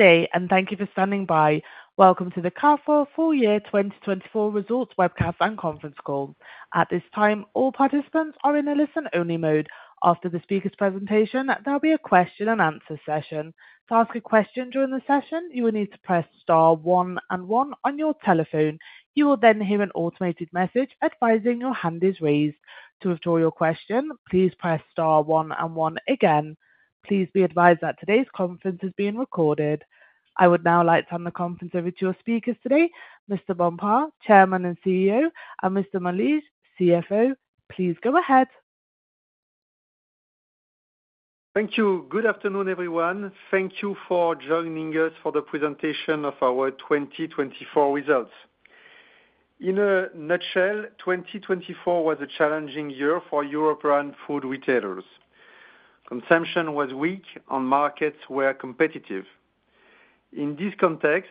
Good day, and thank you for standing by. Welcome to the Carrefour Full Year 2024 Results Webcast and Conference Call. At this time, all participants are in a listen-only mode. After the speaker's presentation, there'll be a question-and-answer session. To ask a question during the session, you will need to press star one and one on your telephone. You will then hear an automated message advising your hand is raised. To withdraw your question, please press star one and one again. Please be advised that today's conference is being recorded. I would now like to hand the conference over to our speakers today, Mr. Bompard, Chairman and CEO, and Mr. Malige, CFO. Please go ahead. Thank you. Good afternoon, everyone. Thank you for joining us for the presentation of our 2024 results. In a nutshell, 2024 was a challenging year for European food retailers. Consumption was weak, and markets were competitive. In this context,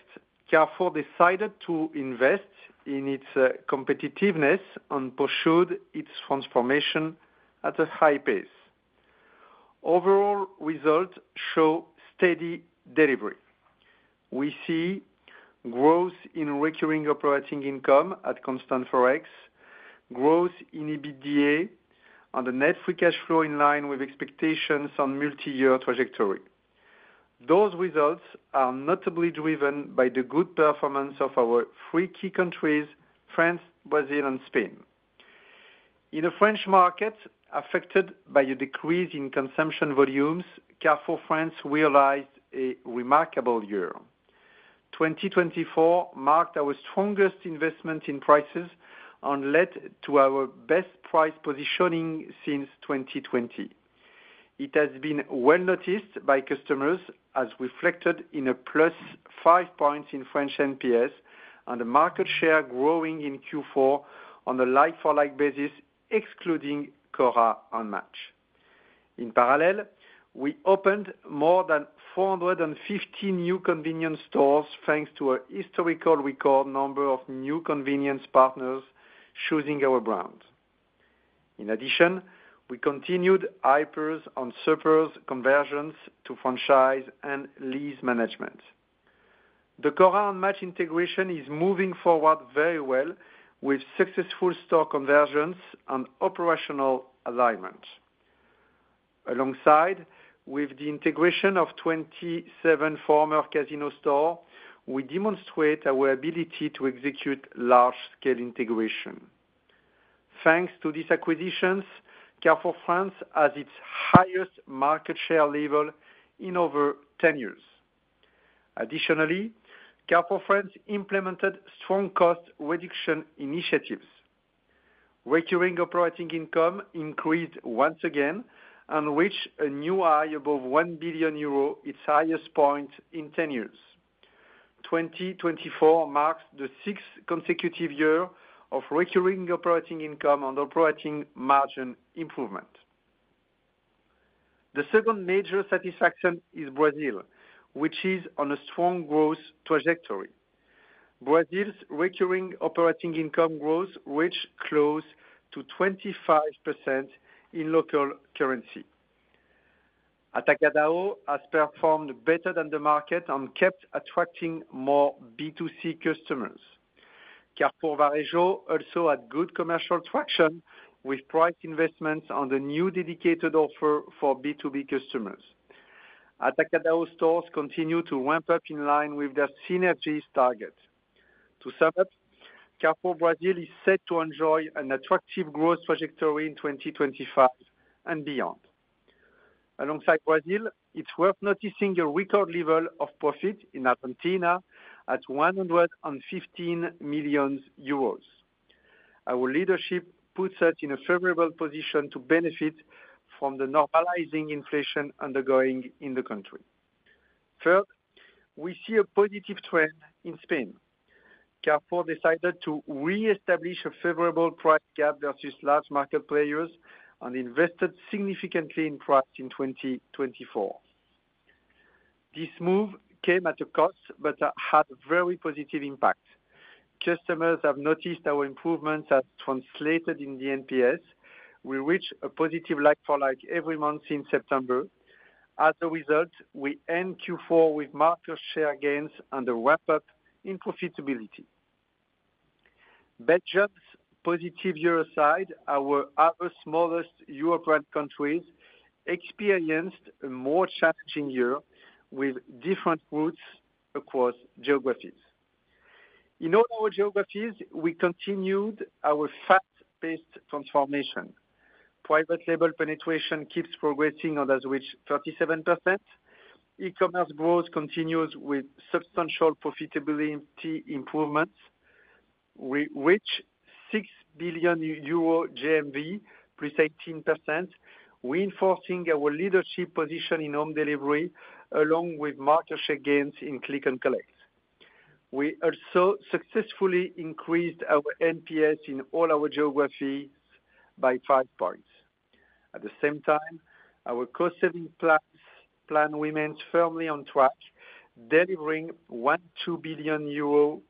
Carrefour decided to invest in its competitiveness and pursued its transformation at a high pace. Overall results show steady delivery. We see growth in recurring operating income at constant forex, growth in EBITDA, and a net free cash flow in line with expectations on multi-year trajectory. Those results are notably driven by the good performance of our three key countries: France, Brazil, and Spain. In a French market affected by a decrease in consumption volumes, Carrefour France realized a remarkable year. 2024 marked our strongest investment in prices and led to our best price positioning since 2020. It has been well noticed by customers, as reflected in a plus five points in French NPS and a market share growing in Q4 on a like-for-like basis, excluding Cora and Match. In parallel, we opened more than 450 new convenience stores thanks to a historical record number of new convenience partners choosing our brands. In addition, we continued Hypers and Supers conversions to franchise and lease management. The Cora and Match integration is moving forward very well with successful store conversions and operational alignment. Alongside the integration of 27 former Casino stores, we demonstrate our ability to execute large-scale integration. Thanks to these acquisitions, Carrefour France has its highest market share level in over 10 years. Additionally, Carrefour France implemented strong cost reduction initiatives. Recurring operating income increased once again and reached a new high above €1 billion, its highest point in 10 years. 2024 marks the sixth consecutive year of recurring operating income and operating margin improvement. The second major satisfaction is Brazil, which is on a strong growth trajectory. Brazil's recurring operating income growth reached close to 25% in local currency. Atacadão has performed better than the market and kept attracting more B2C customers. Carrefour Varejo also had good commercial traction with price investments on the new dedicated offer for B2B customers. Atacadão stores continue to ramp up in line with their synergies target. To sum up, Carrefour Brazil is set to enjoy an attractive growth trajectory in 2025 and beyond. Alongside Brazil, it's worth noticing a record level of profit in Argentina at €115 million. Our leadership puts us in a favorable position to benefit from the normalizing inflation underway in the country. Third, we see a positive trend in Spain. Carrefour decided to re-establish a favorable price gap versus large market players and invested significantly in price in 2024. This move came at a cost but had a very positive impact. Customers have noticed our improvements as translated in the NPS, which reached a positive like-for-like every month since September. As a result, we end Q4 with market share gains and a ramp-up in profitability. Belgium's positive year aside, our other smallest European countries experienced a more challenging year with different results across geographies. In all our geographies, we continued our fast-paced transformation. Private label penetration keeps progressing on average 37%. E-commerce growth continues with substantial profitability improvements, reaching €6 billion GMV, +18%, reinforcing our leadership position in home delivery along with market share gains in click and collect. We also successfully increased our NPS in all our geographies by five points. At the same time, our cost-saving plan remains firmly on track, delivering €12 billion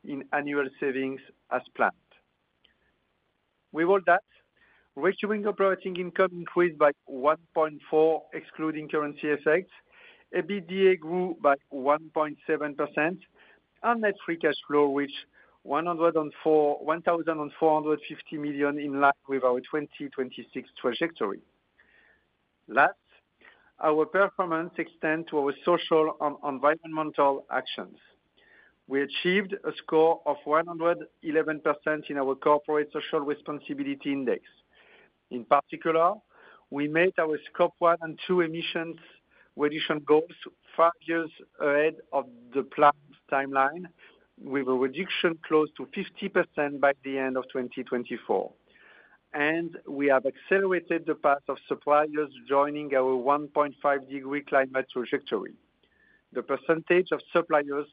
in annual savings as planned. With all that, recurring operating income increased by 1.4%, excluding currency effects. EBITDA grew by 1.7%, and net free cash flow reached €1,450 million in line with our 2026 trajectory. Last, our performance extends to our social and environmental actions. We achieved a score of 111% in our Corporate Social Responsibility Index. In particular, we met our Scope One and Two emissions reduction goals five years ahead of the planned timeline, with a reduction close to 50% by the end of 2024. And we have accelerated the path of suppliers joining our 1.5-degree climate trajectory. The percentage of suppliers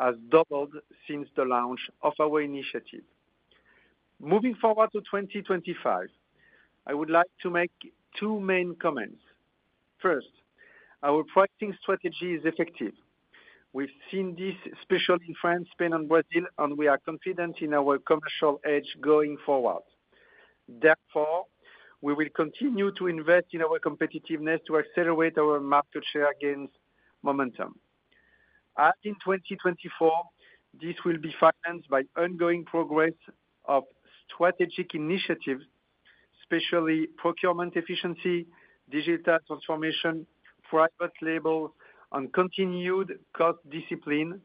has doubled since the launch of our initiative. Moving forward to 2025, I would like to make two main comments. First, our pricing strategy is effective. We've seen this especially in France, Spain, and Brazil, and we are confident in our commercial edge going forward. Therefore, we will continue to invest in our competitiveness to accelerate our market share gains momentum. As in 2024, this will be financed by ongoing progress of strategic initiatives, especially procurement efficiency, digital transformation, private label, and continued cost discipline,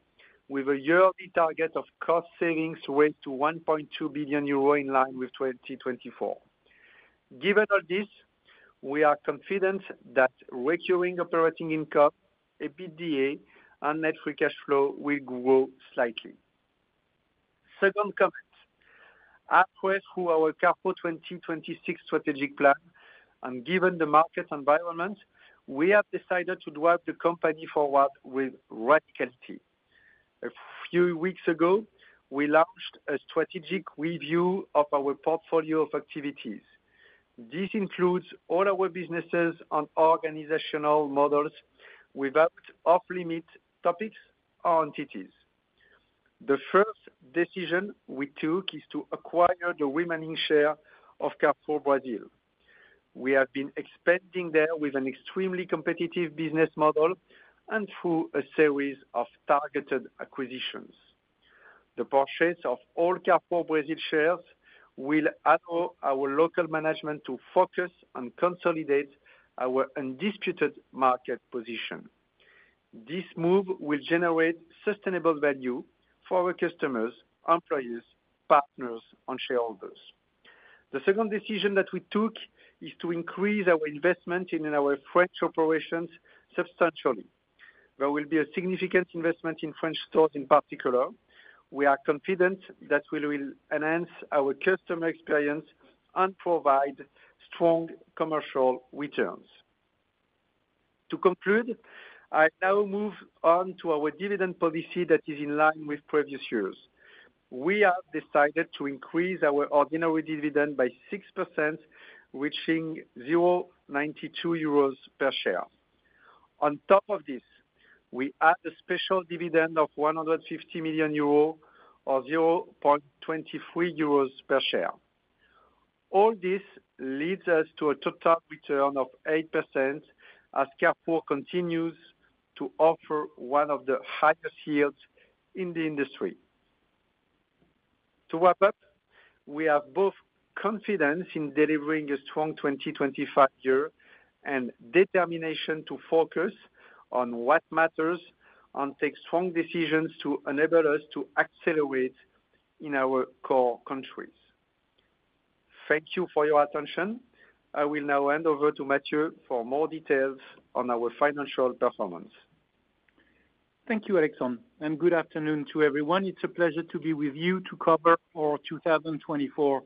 with a yearly target of cost savings raised to €1.2 billion in line with 2024. Given all this, we are confident that recurring operating income, EBITDA, and net free cash flow will grow slightly. Second comment: As we, through our Carrefour 2026 strategic plan, and given the market environment, we have decided to drive the company forward with radicality. A few weeks ago, we launched a strategic review of our portfolio of activities. This includes all our businesses and organizational models without off-limits topics or entities. The first decision we took is to acquire the remaining share of Carrefour Brazil. We have been expanding there with an extremely competitive business model and through a series of targeted acquisitions. The purchase of all Carrefour Brazil shares will allow our local management to focus and consolidate our undisputed market position. This move will generate sustainable value for our customers, employees, partners, and shareholders. The second decision that we took is to increase our investment in our French operations substantially. There will be a significant investment in French stores in particular. We are confident that we will enhance our customer experience and provide strong commercial returns. To conclude, I now move on to our dividend policy that is in line with previous years. We have decided to increase our ordinary dividend by 6%, reaching 0.92 euros per share. On top of this, we add a special dividend of €150 million or €0.23 per share. All this leads us to a total return of 8% as Carrefour continues to offer one of the highest yields in the industry. To wrap up, we have both confidence in delivering a strong 2025 year and determination to focus on what matters and take strong decisions to enable us to accelerate in our core countries. Thank you for your attention. I will now hand over to Matthieu for more details on our financial performance. Thank you, Alexandre, and good afternoon to everyone. It's a pleasure to be with you to cover our 2024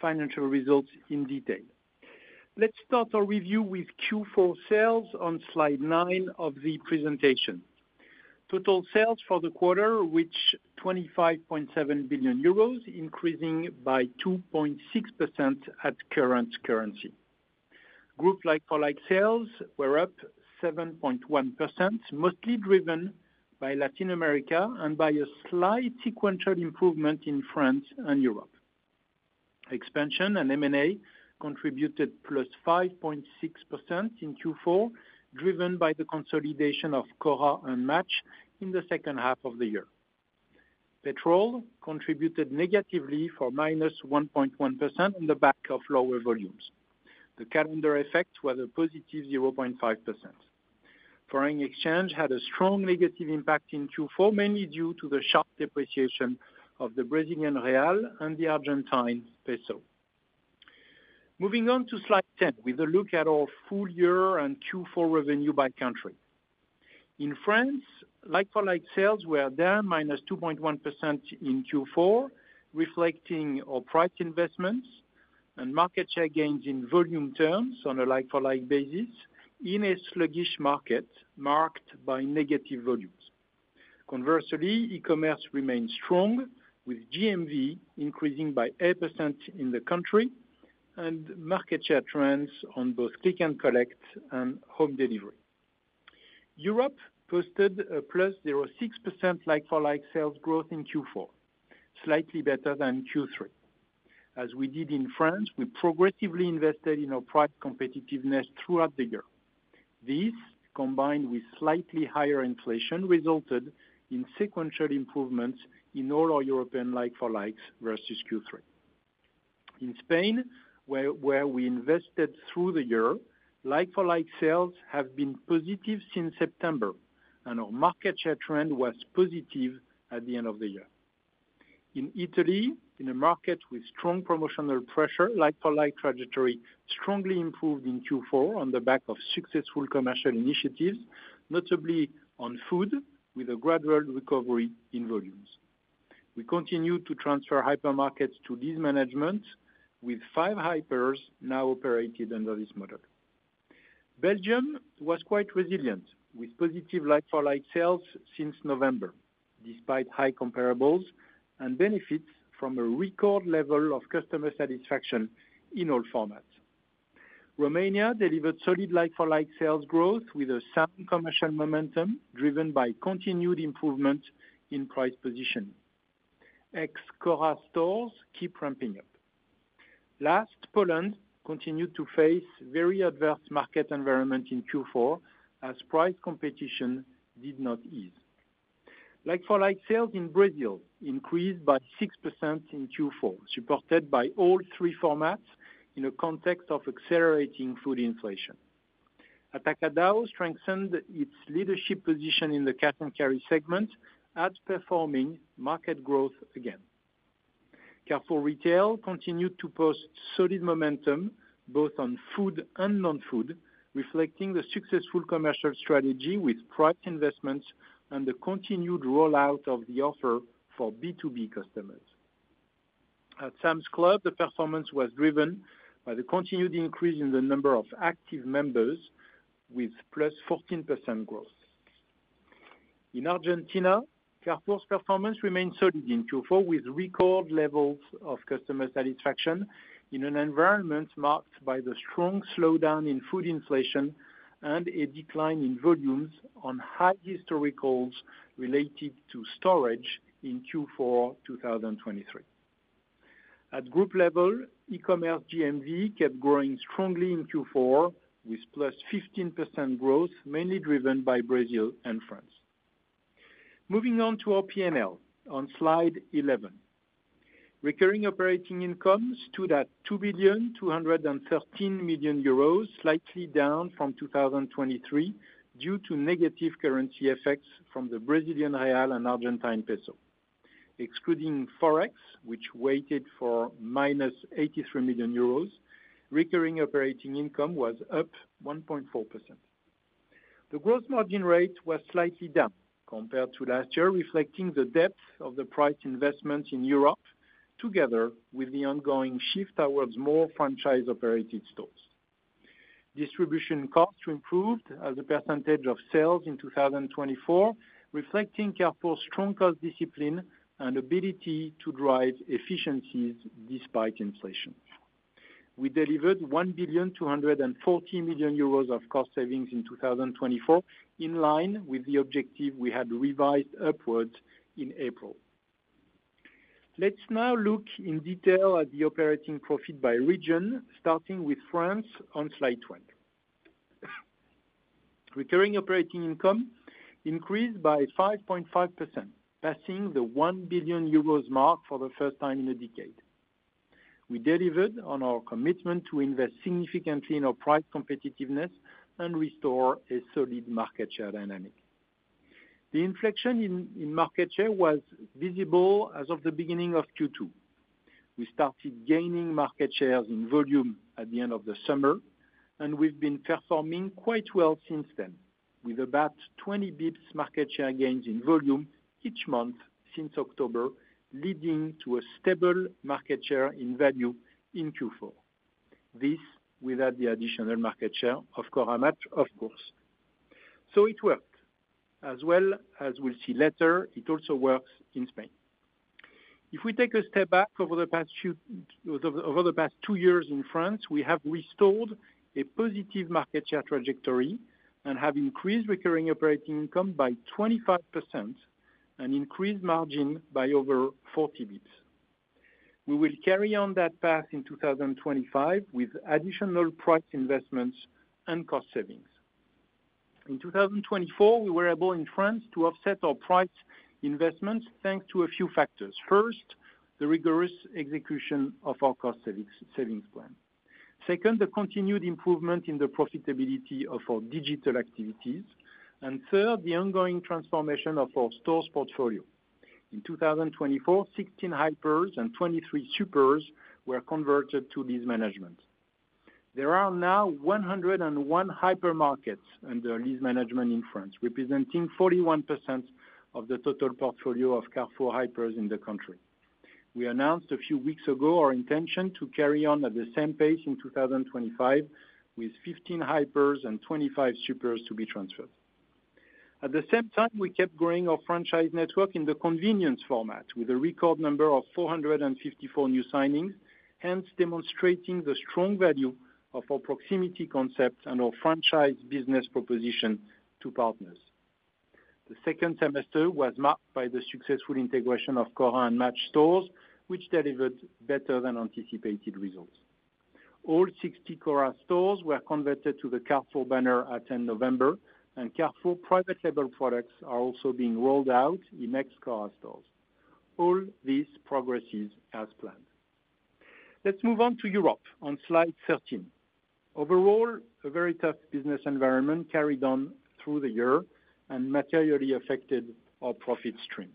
financial results in detail. Let's start our review with Q4 sales on Slide 9 of the presentation. Total sales for the quarter reached €25.7 billion, increasing by 2.6% at current currency. Group like-for-like sales were up 7.1%, mostly driven by Latin America and by a slight sequential improvement in France and Europe. Expansion and M&A contributed plus 5.6% in Q4, driven by the consolidation of Cora and Match in the second half of the year. Petrol contributed negatively for minus 1.1% in the back of lower volumes. The calendar effects were a positive 0.5%. Foreign exchange had a strong negative impact in Q4, mainly due to the sharp depreciation of the Brazilian real and the Argentine peso. Moving on to Slide 10 with a look at our full year and Q4 revenue by country. In France, like-for-like sales were down -2.1% in Q4, reflecting our price investments and market share gains in volume terms on a like-for-like basis in a sluggish market marked by negative volumes. Conversely, e-commerce remained strong, with GMV increasing by 8% in the country and market share trends on both click and collect and home delivery. Europe posted a +0.6% like-for-like sales growth in Q4, slightly better than Q3. As we did in France, we progressively invested in our price competitiveness throughout the year. This, combined with slightly higher inflation, resulted in sequential improvements in all our European like-for-likes versus Q3. In Spain, where we invested through the year, like-for-like sales have been positive since September, and our market share trend was positive at the end of the year. In Italy, in a market with strong promotional pressure, like-for-like trajectory strongly improved in Q4 on the back of successful commercial initiatives, notably on food, with a gradual recovery in volumes. We continued to transfer hypermarkets to lease management, with five Hypers now operated under this model. Belgium was quite resilient, with positive like-for-like sales since November, despite high comparables and benefits from a record level of customer satisfaction in all formats. Romania delivered solid like-for-like sales growth with a sound commercial momentum driven by continued improvement in price position. Ex-Cora stores keep ramping up. Last, Poland continued to face a very adverse market environment in Q4 as price competition did not ease. Like-for-like sales in Brazil increased by 6% in Q4, supported by all three formats in a context of accelerating food inflation. Atacadão strengthened its leadership position in the cash and carry segment, outperforming market growth again. Carrefour Retail continued to post solid momentum both on food and non-food, reflecting the successful commercial strategy with price investments and the continued rollout of the offer for B2B customers. At Sam's Club, the performance was driven by the continued increase in the number of active members, with +14% growth. In Argentina, Carrefour's performance remained solid in Q4, with record levels of customer satisfaction in an environment marked by the strong slowdown in food inflation and a decline in volumes on high historicals related to storage in Q4 2023. At group level, e-commerce GMV kept growing strongly in Q4, with +15% growth, mainly driven by Brazil and France. Moving on to our P&L on Slide 11. Recurring operating income stood at €2,213 million, slightly down from 2023 due to negative currency effects from the Brazilian real and Argentine peso. Excluding forex, which weighted for minus €83 million, recurring operating income was up 1.4%. The gross margin rate was slightly down compared to last year, reflecting the depth of the price investments in Europe, together with the ongoing shift towards more franchise-operated stores. Distribution costs improved as a percentage of sales in 2024, reflecting Carrefour's strong cost discipline and ability to drive efficiencies despite inflation. We delivered €1,240 million of cost savings in 2024, in line with the objective we had revised upwards in April. Let's now look in detail at the operating profit by region, starting with France on Slide 12. Recurring operating income increased by 5.5%, passing the €1 billion mark for the first time in a decade. We delivered on our commitment to invest significantly in our price competitiveness and restore a solid market share dynamic. The inflection in market share was visible as of the beginning of Q2. We started gaining market shares in volume at the end of the summer, and we've been performing quite well since then, with about 20 basis points market share gains in volume each month since October, leading to a stable market share in value in Q4. This without the additional market share of Cora and Match, of course, so it worked. As well as we'll see later, it also works in Spain. If we take a step back over the past two years in France, we have restored a positive market share trajectory and have increased recurring operating income by 25% and increased margin by over 40 basis points. We will carry on that path in 2025 with additional price investments and cost savings. In 2024, we were able in France to offset our price investments thanks to a few factors. First, the rigorous execution of our cost savings plan. Second, the continued improvement in the profitability of our digital activities. And third, the ongoing transformation of our stores portfolio. In 2024, 16 Hypers and 23 Supers were converted to lease management. There are now 101 hypermarkets under lease management in France, representing 41% of the total portfolio of Carrefour Hypers in the country. We announced a few weeks ago our intention to carry on at the same pace in 2025, with 15 Hypers and 25 Supers to be transferred. At the same time, we kept growing our franchise network in the convenience format, with a record number of 454 new signings, hence demonstrating the strong value of our proximity concept and our franchise business proposition to partners. The second semester was marked by the successful integration of Cora and Match stores, which delivered better than anticipated results. All 60 Cora stores were converted to the Carrefour banner at end November, and Carrefour private label products are also being rolled out in ex-Cora stores. All this progresses as planned. Let's move on to Europe on Slide 13. Overall, a very tough business environment carried on through the year and materially affected our profit stream.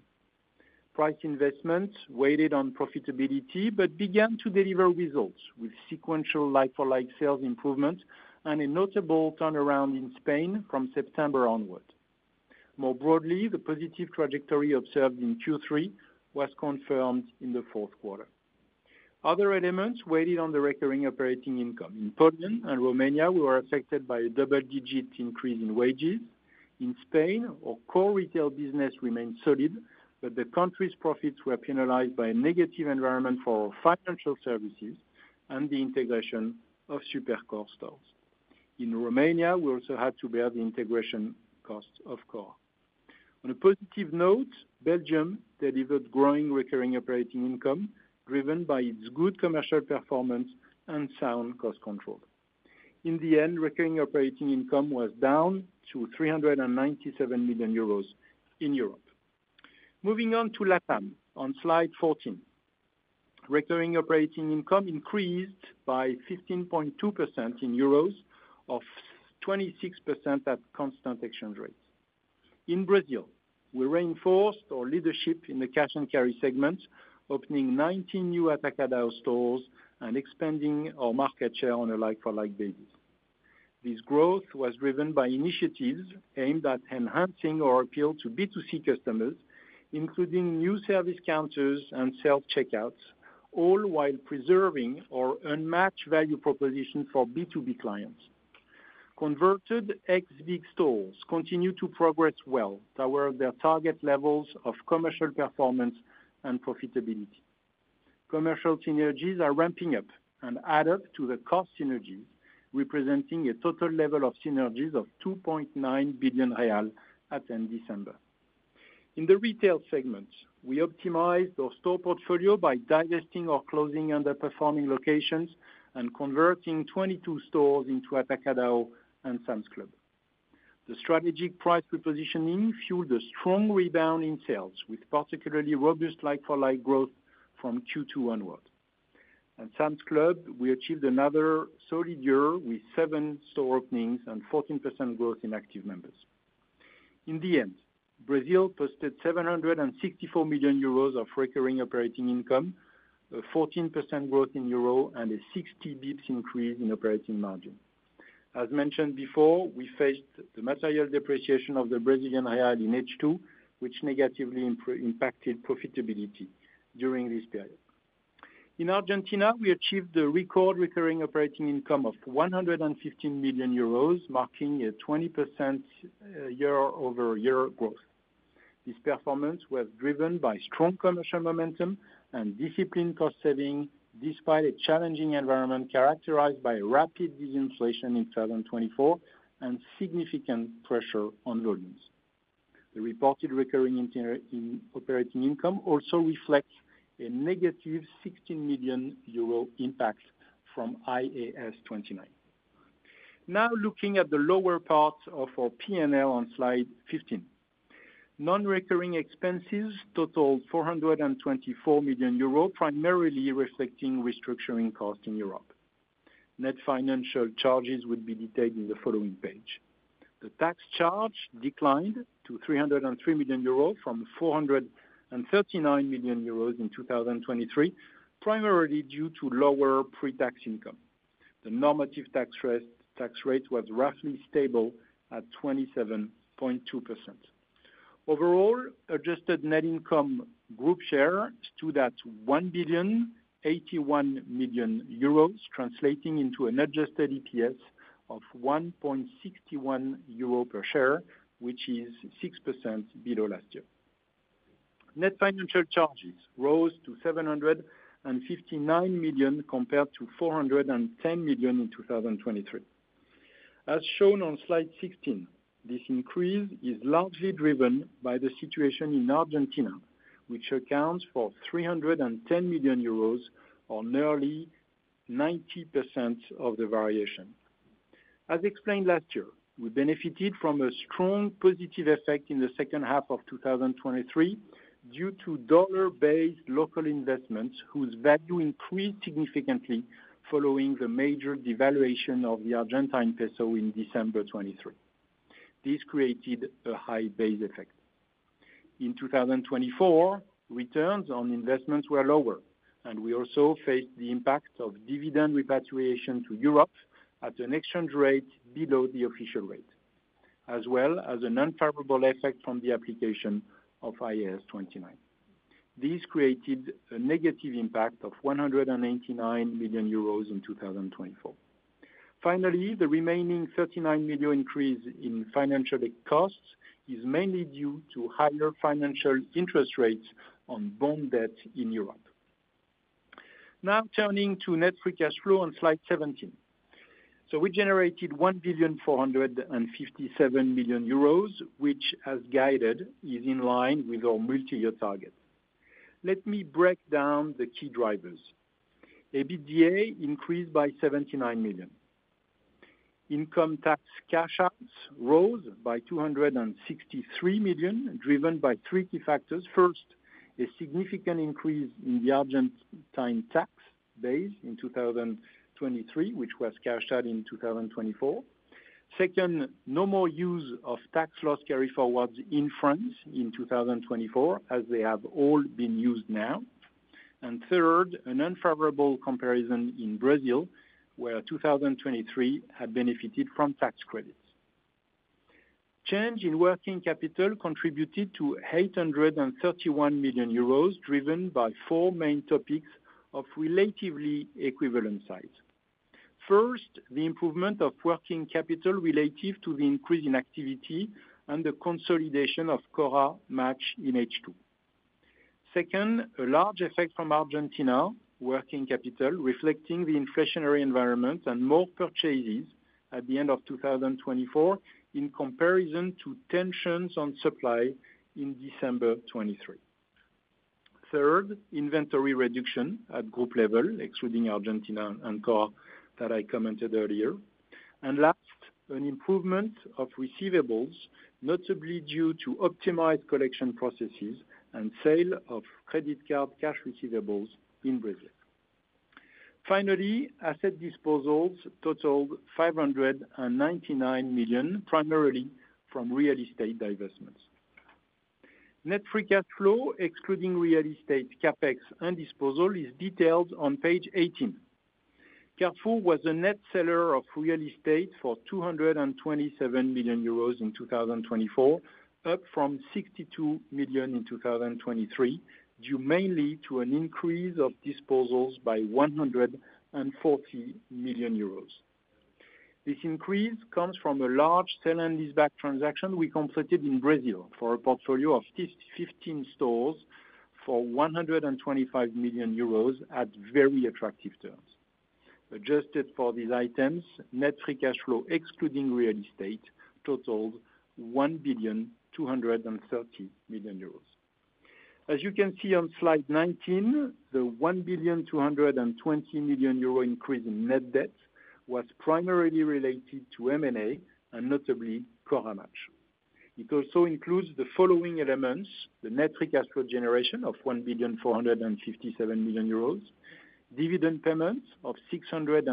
Price investments weighed on profitability but began to deliver results with sequential like-for-like sales improvement and a notable turnaround in Spain from September onward. More broadly, the positive trajectory observed in Q3 was confirmed in the fourth quarter. Other elements weighed on the recurring operating income. In Poland and Romania, we were affected by a double-digit increase in wages. In Spain, our core retail business remained solid, but the country's profits were penalized by a negative environment for our financial services and the integration of SuperCor stores. In Romania, we also had to bear the integration costs of Cora. On a positive note, Belgium delivered growing recurring operating income driven by its good commercial performance and sound cost control. In the end, recurring operating income was down to €397 million in Europe. Moving on to LATAM on Slide 14. Recurring operating income increased by 15.2% in euros off 26% at constant exchange rates. In Brazil, we reinforced our leadership in the cash and carry segment, opening 19 new Atacadão stores and expanding our market share on a like-for-like basis. This growth was driven by initiatives aimed at enhancing our appeal to B2C customers, including new service counters and self-checkouts, all while preserving our unmatched value proposition for B2B clients. Converted ex-BIG stores continue to progress well toward their target levels of commercial performance and profitability. Commercial synergies are ramping up and add up to the cost synergies, representing a total level of synergies of €2.9 billion at end December. In the retail segment, we optimized our store portfolio by divesting our closing underperforming locations and converting 22 stores into Atacadão and Sam's Club. The strategic price repositioning fueled a strong rebound in sales, with particularly robust like-for-like growth from Q2 onward. At Sam's Club, we achieved another solid year with seven store openings and 14% growth in active members. In the end, Brazil posted €764 million of recurring operating income, a 14% growth in euro, and a 60 basis points increase in operating margin. As mentioned before, we faced the material depreciation of the Brazilian real in H2, which negatively impacted profitability during this period. In Argentina, we achieved the record recurring operating income of €115 million, marking a 20% year-over-year growth. This performance was driven by strong commercial momentum and disciplined cost saving, despite a challenging environment characterized by rapid disinflation in 2024 and significant pressure on volumes. The reported recurring operating income also reflects a negative 16 million euro impact from IAS 29. Now looking at the lower part of our P&L on Slide 15. Non-recurring expenses totaled 424 million euros, primarily reflecting restructuring costs in Europe. Net financial charges would be detailed in the following page. The tax charge declined to 303 million euros from 439 million euros i 2023, primarily due to lower pre-tax income. The normative tax rate was roughly stable at 27.2%. Overall, adjusted net income group share stood at 1,081 million euros, translating into an adjusted EPS of 1.61 euro per share, which is 6% below last year. Net financial charges rose to 759 million compared to 410 million in 2023. As shown on Slide 16, this increase is largely driven by the situation in Argentina, which accounts for 310 million euros or nearly 90% of the variation. As explained last year, we benefited from a strong positive effect in the second half of 2023 due to dollar-based local investments whose value increased significantly following the major devaluation of the Argentine peso in December 2023. This created a high base effect. In 2024, returns on investments were lower, and we also faced the impact of dividend repatriation to Europe at an exchange rate below the official rate, as well as a non-favorable effect from the application of IAS 29. This created a negative impact of 189 million euros in 2024. Finally, the remaining 39 million increase in financial costs is mainly due to higher financial interest rates on bond debt in Europe. Now turning to net free cash flow on Slide 17. We generated 1,457 million euros, which, as guided, is in line with our multi-year target. Let me break down the key drivers. EBITDA increased by 79 million. Income tax cash-outs rose by 263 million, driven by three key factors. First, a significant increase in the Argentine tax base in 2023, which was cashed out in 2024. Second, no more use of tax loss carryforwards in France in 2024, as they have all been used now. Third, a non-favorable comparison in Brazil, where 2023 had benefited from tax credits. Change in working capital contributed to 831 million euros, driven by four main topics of relatively equivalent size. First, the improvement of working capital relative to the increase in activity and the consolidation of Cora Match in H2. Second, a large effect from Argentina working capital, reflecting the inflationary environment and more purchases at the end of 2024 in comparison to tensions on supply in December 2023. Third, inventory reduction at group level, excluding Argentina and Cora that I commented earlier. And last, an improvement of receivables, notably due to optimized collection processes and sale of credit card cash receivables in Brazil. Finally, asset disposals totaled 599 million, primarily from real estate divestments. Net free cash flow, excluding real estate Capex and disposal, is detailed on page eighteen. Carrefour was a net seller of real estate for 227 million euros in 2024, up from 62 million in 2023, due mainly to an increase of disposals by 140 million euros. This increase comes from a large sale and lease-back transaction we completed in Brazil for a portfolio of 15 stores for 125 million euros at very attractive terms. Adjusted for these items, net free cash flow, excluding real estate, totaled €1,230 million. As you can see on Slide 19, the €1,220 million increase in net debt was primarily related to M&A and notably Cora Match. It also includes the following elements: the net free cash flow generation of €1,457 million, dividend payment of €626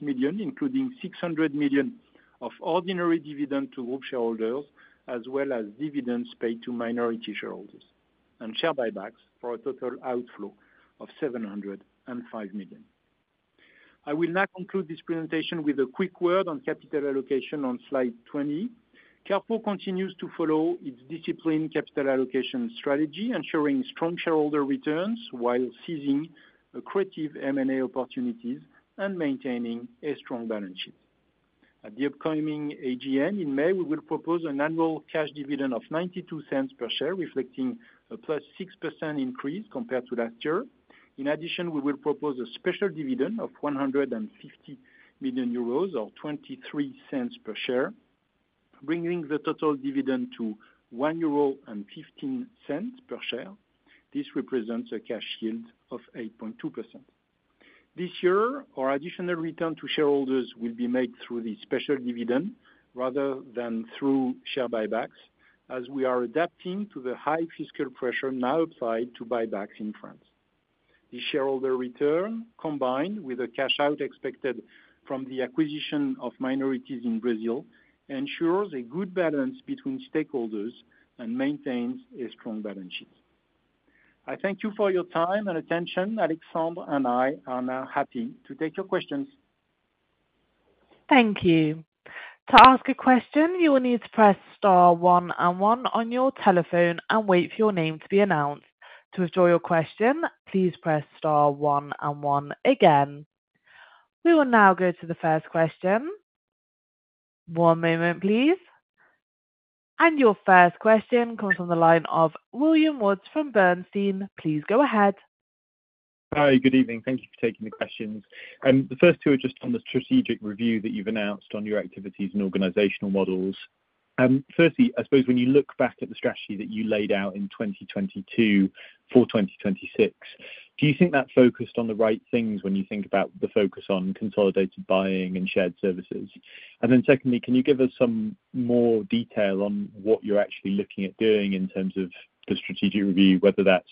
million, including €600 million of ordinary dividend to group shareholders, as well as dividends paid to minority shareholders and share buybacks for a total outflow of €705 million. I will now conclude this presentation with a quick word on capital allocation on Slide 20. Carrefour continues to follow its disciplined capital allocation strategy, ensuring strong shareholder returns while seizing creative M&A opportunities and maintaining a strong balance sheet. At the upcoming AGM in May, we will propose an annual cash dividend of €0.92 per share, reflecting a plus 6% increase compared to last year. In addition, we will propose a special dividend of 150 million euros or 0.23 per share, bringing the total dividend to 1.15 euro per share. This represents a cash yield of 8.2%. This year, our additional return to shareholders will be made through the special dividend rather than through share buybacks, as we are adapting to the high fiscal pressure now applied to buybacks in France. The shareholder return, combined with the cash-out expected from the acquisition of minorities in Brazil, ensures a good balance between stakeholders and maintains a strong balance sheet. I thank you for your time and attention. Alexandre and I are now happy to take your questions. Thank you. To ask a question, you will need to press star one and one on your telephone and wait for your name to be announced. To withdraw your question, please press star one and one again. We will now go to the first question. One moment, please, and your first question comes from the line of William Woods from Bernstein. Please go ahead. Hi, good evening. Thank you for taking the questions. The first two are just on the strategic review that you've announced on your activities and organizational models. Firstly, I suppose when you look back at the strategy that you laid out in 2022 for 2026, do you think that focused on the right things when you think about the focus on consolidated buying and shared services? And then secondly, can you give us some more detail on what you're actually looking at doing in terms of the strategic review, whether that's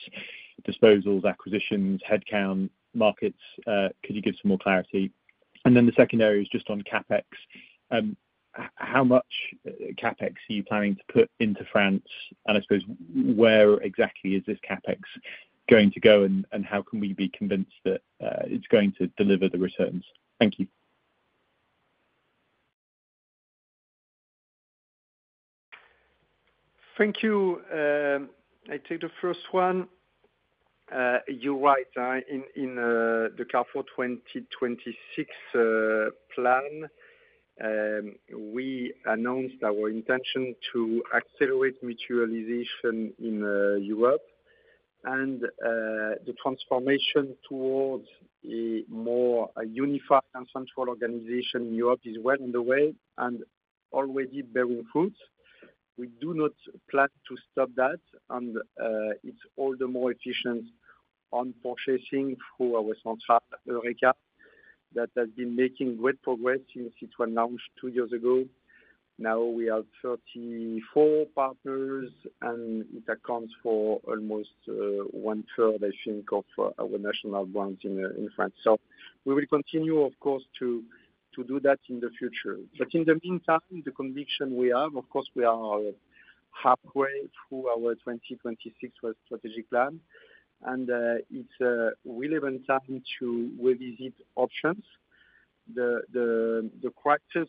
disposals, acquisitions, headcount, markets? Could you give some more clarity, and then the second area is just on CapEx. How much CapEx are you planning to put into France? I suppose, where exactly is this CapEx going to go, and how can we be convinced that it's going to deliver the returns? Thank you. Thank you. I take the first one. You're right. In the Carrefour 2026 plan, we announced our intention to accelerate mutualization in Europe, and the transformation towards a more unified and central organization in Europe is well underway and already bearing fruit. We do not plan to stop that, and it's all the more efficient on purchasing through our central Eureca that has been making great progress since it was launched two years ago. Now we have 34 partners, and it accounts for almost one-third, I think, of our national brands in France. We will continue, of course, to do that in the future. In the meantime, the conviction we have, of course, we are halfway through our 2026 strategic plan, and it's a relevant time to revisit options. The crisis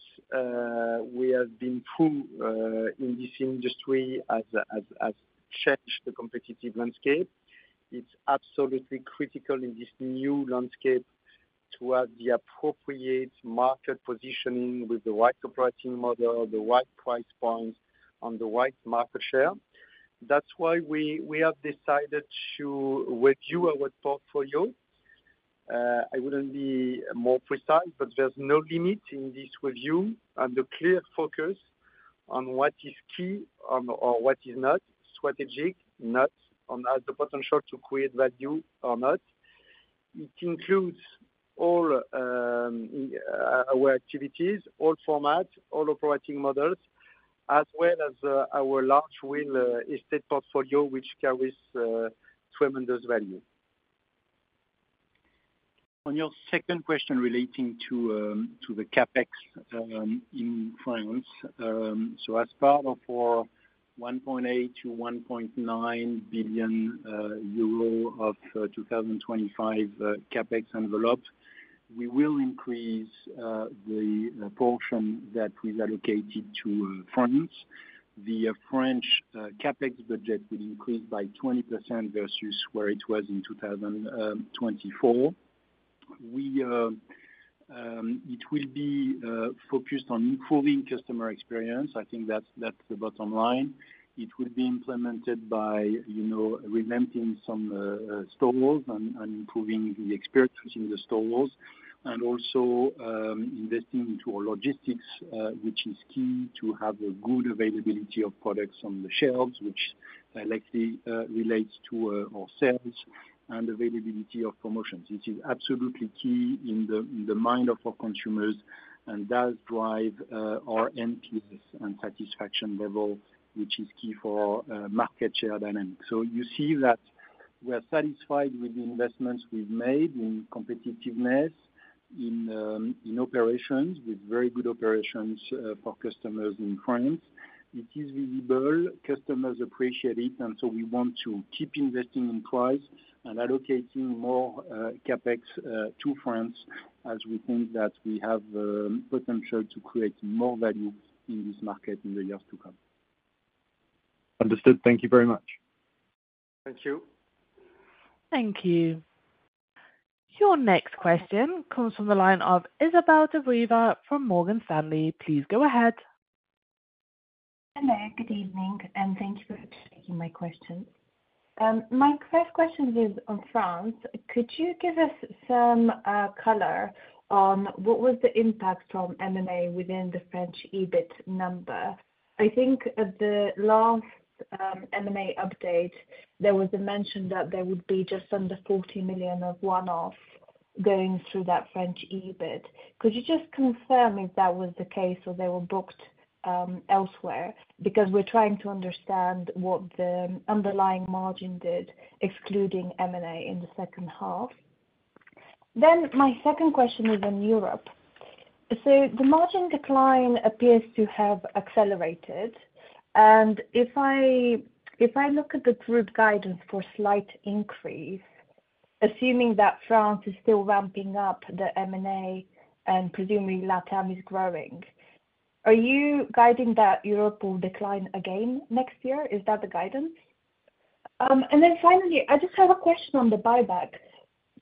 we have been through in this industry has changed the competitive landscape. It's absolutely critical in this new landscape to have the appropriate market positioning with the right operating model, the right price point, and the right market share. That's why we have decided to review our portfolio. I wouldn't be more precise, but there's no limit in this review and a clear focus on what is key or what is not strategic, not on the potential to create value or not. It includes all our activities, all formats, all operating models, as well as our large real estate portfolio, which carries tremendous value. On your second question relating to the CapEx in France, so as part of our €1.8-€1.9 billion of 2025 CapEx envelope, we will increase the portion that we've allocated to France. The French CapEx budget will increase by 20% versus where it was in 2024. It will be focused on improving customer experience. I think that's the bottom line. It will be implemented by revamping some stores and improving the experience in the stores, and also investing into our logistics, which is key to have a good availability of products on the shelves, which likely relates to our sales and availability of promotions. This is absolutely key in the mind of our consumers and does drive our NPS and satisfaction level, which is key for market share dynamics. So you see that we're satisfied with the investments we've made in competitiveness, in operations, with very good operations for customers in France. It is visible. Customers appreciate it, and so we want to keep investing in price and allocating more CapEx to France as we think that we have potential to create more value in this market in the years to come. Understood. Thank you very much. Thank you. Thank you. Your next question comes from the line of Izabel Dobreva from Morgan Stanley. Please go ahead. Hello, good evening, and thank you for taking my question. My first question is on France. Could you give us some color on what was the impact from M&A within the French EBIT number? I think at the last M&A update, there was a mention that there would be just under 40 million of one-off going through that French EBIT. Could you just confirm if that was the case or they were booked elsewhere? Because we're trying to understand what the underlying margin did, excluding M&A in the second half. Then my second question is on Europe. So the margin decline appears to have accelerated, and if I look at the group guidance for slight increase, assuming that France is still ramping up the M&A and presumably LATAM is growing, are you guiding that Europe will decline again next year? Is that the guidance? And then finally, I just have a question on the buyback.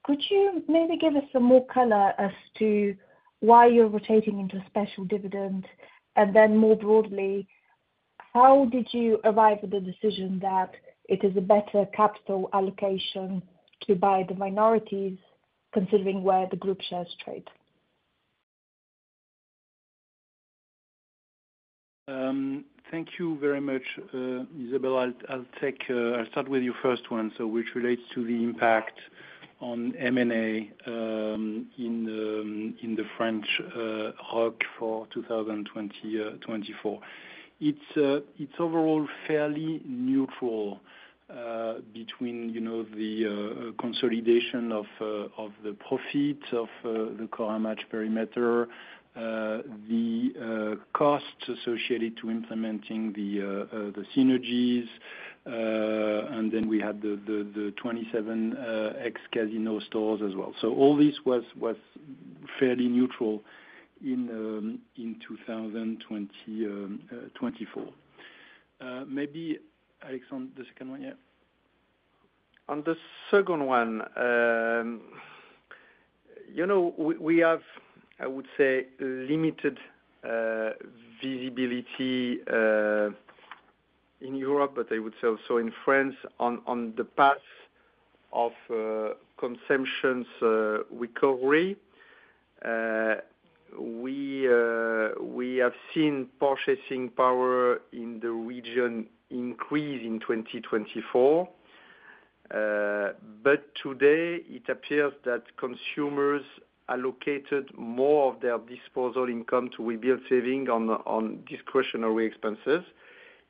Could you maybe give us some more color as to why you're rotating into a special dividend? And then more broadly, how did you arrive at the decision that it is a better capital allocation to buy the minorities, considering where the group shares trade? Thank you very much, Izabel. I'll start with your first one, which relates to the impact on M&A in the French retail for 2024. It's overall fairly neutral between the consolidation of the perimeter of the Cora Match, the costs associated to implementing the synergies, and then we had the 27 ex-Casino stores as well. So all this was fairly neutral in 2024. Maybe, Alexandre, the second one, yeah? On the second one, we have, I would say, limited visibility in Europe, but I would say also in France. On the path of consumption recovery, we have seen purchasing power in the region increase in 2024. But today, it appears that consumers allocated more of their disposable income to rebuild savings on discretionary expenses,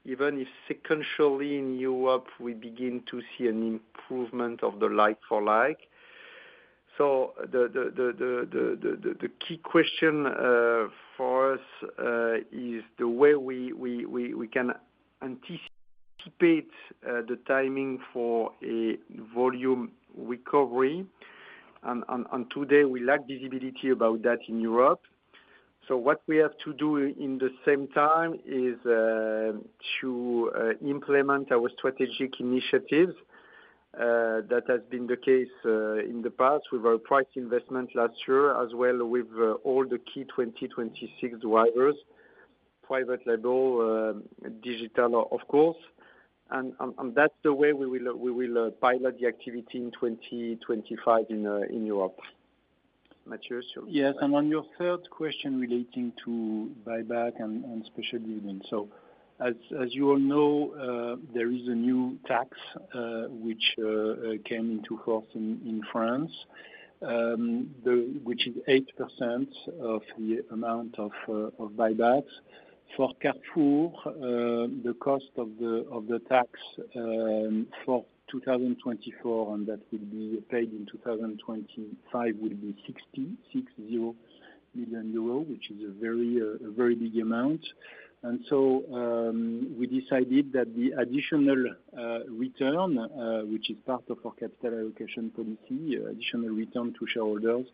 even if sequentially in Europe we begin to see an improvement of the like-for-like. So the key question for us is the way we can anticipate the timing for a volume recovery. And today, we lack visibility about that in Europe. So what we have to do in the same time is to implement our strategic initiatives. That has been the case in the past with our price investment last year, as well with all the key 2026 drivers: private label, digital, of course. And that's the way we will pilot the activity in 2025 in Europe. Matthieu, sure. Yes. And on your third question relating to buyback and special dividends, so as you all know, there is a new tax which came into force in France, which is 8% of the amount of buybacks. For Carrefour, the cost of the tax for 2024, and that will be paid in 2025, would be 60 million euro, which is a very big amount. And so we decided that the additional return, which is part of our capital allocation policy, additional return to shareholders,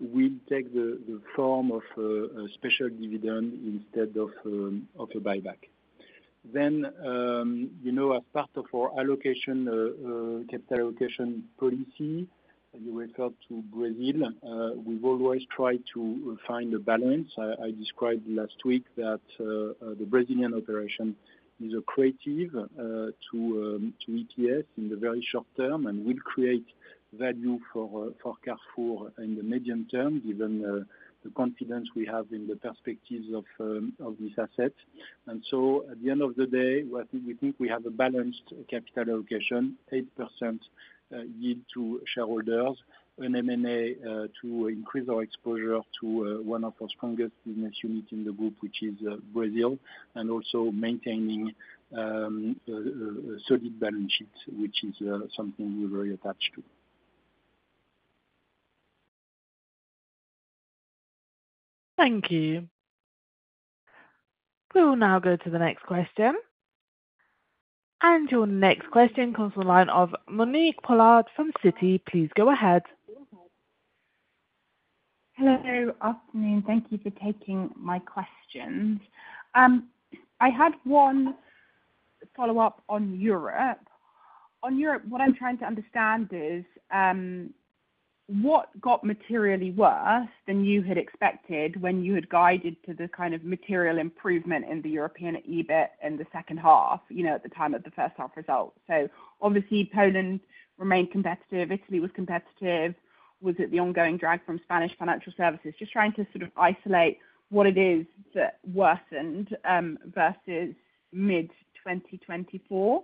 will take the form of a special dividend instead of a buyback. Then, as part of our capital allocation policy, you referred to Brazil. We've always tried to find a balance. I described last week that the Brazilian operation is accretive to EPS in the very short term and will create value for Carrefour in the medium term, given the confidence we have in the prospects of these assets. And so at the end of the day, we think we have a balanced capital allocation, 8% yield to shareholders, an M&A to increase our exposure to one of our strongest business units in the group, which is Brazil, and also maintaining a solid balance sheet, which is something we're very attached to. Thank you. We'll now go to the next question. And your next question comes from the line of Monique Pollard from Citi. Please go ahead. Hello. Afternoon. Thank you for taking my questions. I had one follow-up on Europe. On Europe, what I'm trying to understand is what got materially worse than you had expected when you had guided to the kind of material improvement in the European EBIT in the second half at the time of the first half results. So obviously, Poland remained competitive. Italy was competitive. Was it the ongoing drag from Spanish financial services? Just trying to sort of isolate what it is that worsened versus mid-2024.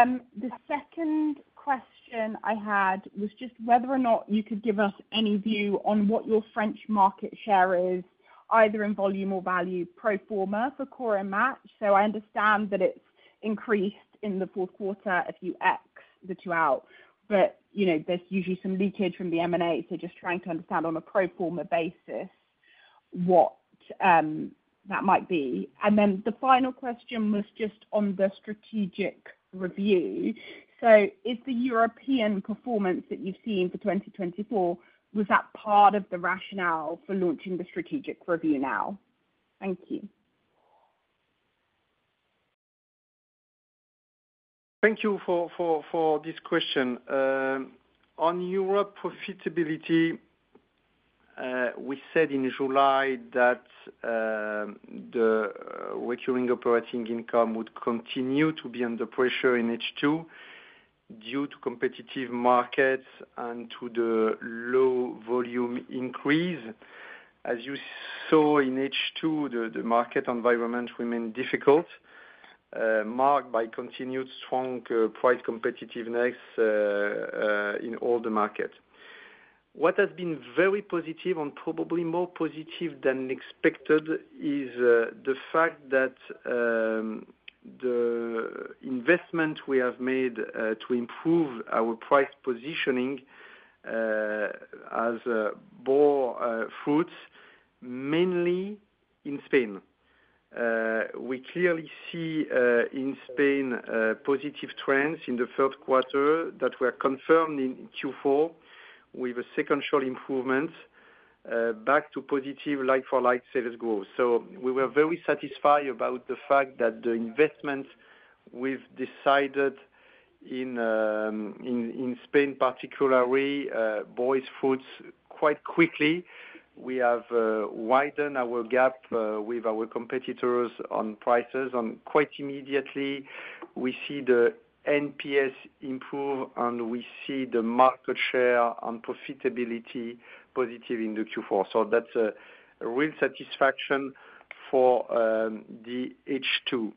The second question I had was just whether or not you could give us any view on what your French market share is, either in volume or value, pro forma for Cora Match. So I understand that it's increased in the fourth quarter if you ex the two out, but there's usually some leakage from the M&A. So just trying to understand on a pro forma basis what that might be. And then the final question was just on the strategic review. So is the European performance that you've seen for 2024, was that part of the rationale for launching the strategic review now? Thank you. Thank you for this question. On Europe profitability, we said in July that the recurring operating income would continue to be under pressure in H2 due to competitive markets and to the low volume increase. As you saw in H2, the market environment remained difficult, marked by continued strong price competitiveness in all the markets. What has been very positive and probably more positive than expected is the fact that the investment we have made to improve our price positioning has borne fruit, mainly in Spain. We clearly see in Spain positive trends in the third quarter that were confirmed in Q4 with a sequential improvement back to positive like-for-like sales growth. So we were very satisfied about the fact that the investment we've decided in Spain, particularly fresh fruits, quite quickly. We have widened our gap with our competitors on prices, and quite immediately, we see the NPS improve, and we see the market share and profitability positive in the Q4. So that's a real satisfaction for the H2.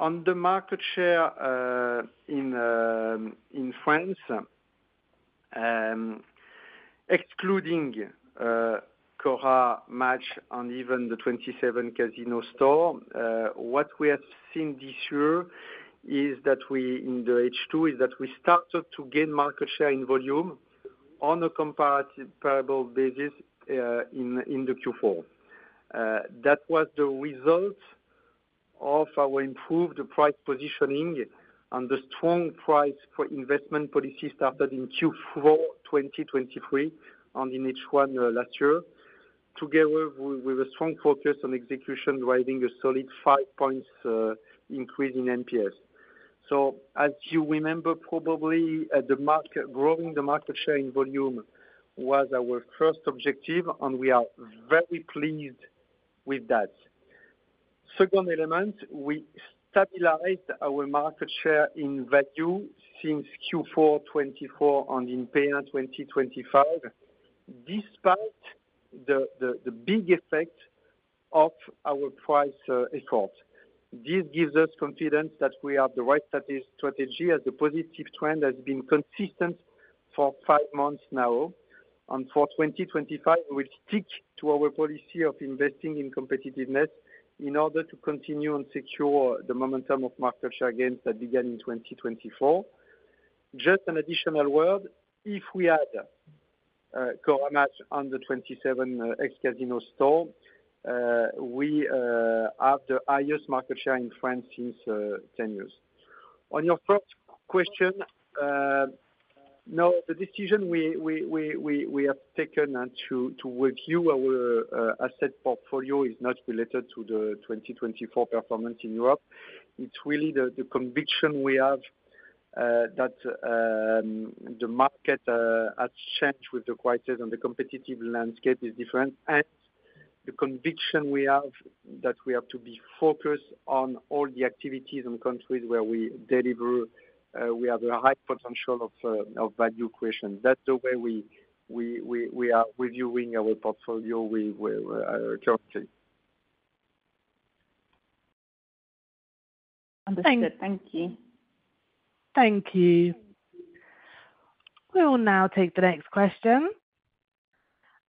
On the market share in France, excluding Cora Match and even the 27 Casino store, what we have seen this year is that in the H2 we started to gain market share in volume on a comparable basis in the Q4. That was the result of our improved price positioning and the strong price for investment policy started in Q4 2023 and in H1 last year, together with a strong focus on execution driving a solid five-points increase in NPS. So as you remember, probably growing the market share in volume was our first objective, and we are very pleased with that. Second element, we stabilized our market share in value since Q4 2024 and in P1 2025, despite the big effect of our price effort. This gives us confidence that we have the right strategy as the positive trend has been consistent for five months now. For 2025, we stick to our policy of investing in competitiveness in order to continue and secure the momentum of market share gains that began in 2024. Just an additional word, if we add Cora, Match and the 27 ex-Casino stores, we have the highest market share in France since 10 years. On your first question, no, the decision we have taken to review our asset portfolio is not related to the 2024 performance in Europe. It's really the conviction we have that the market has changed with the crisis and the competitive landscape is different, and the conviction we have that we have to be focused on all the activities and countries where we deliver, we have a high potential of value creation. That's the way we are reviewing our portfolio currently. Understood. Thank you. Thank you. We will now take the next question.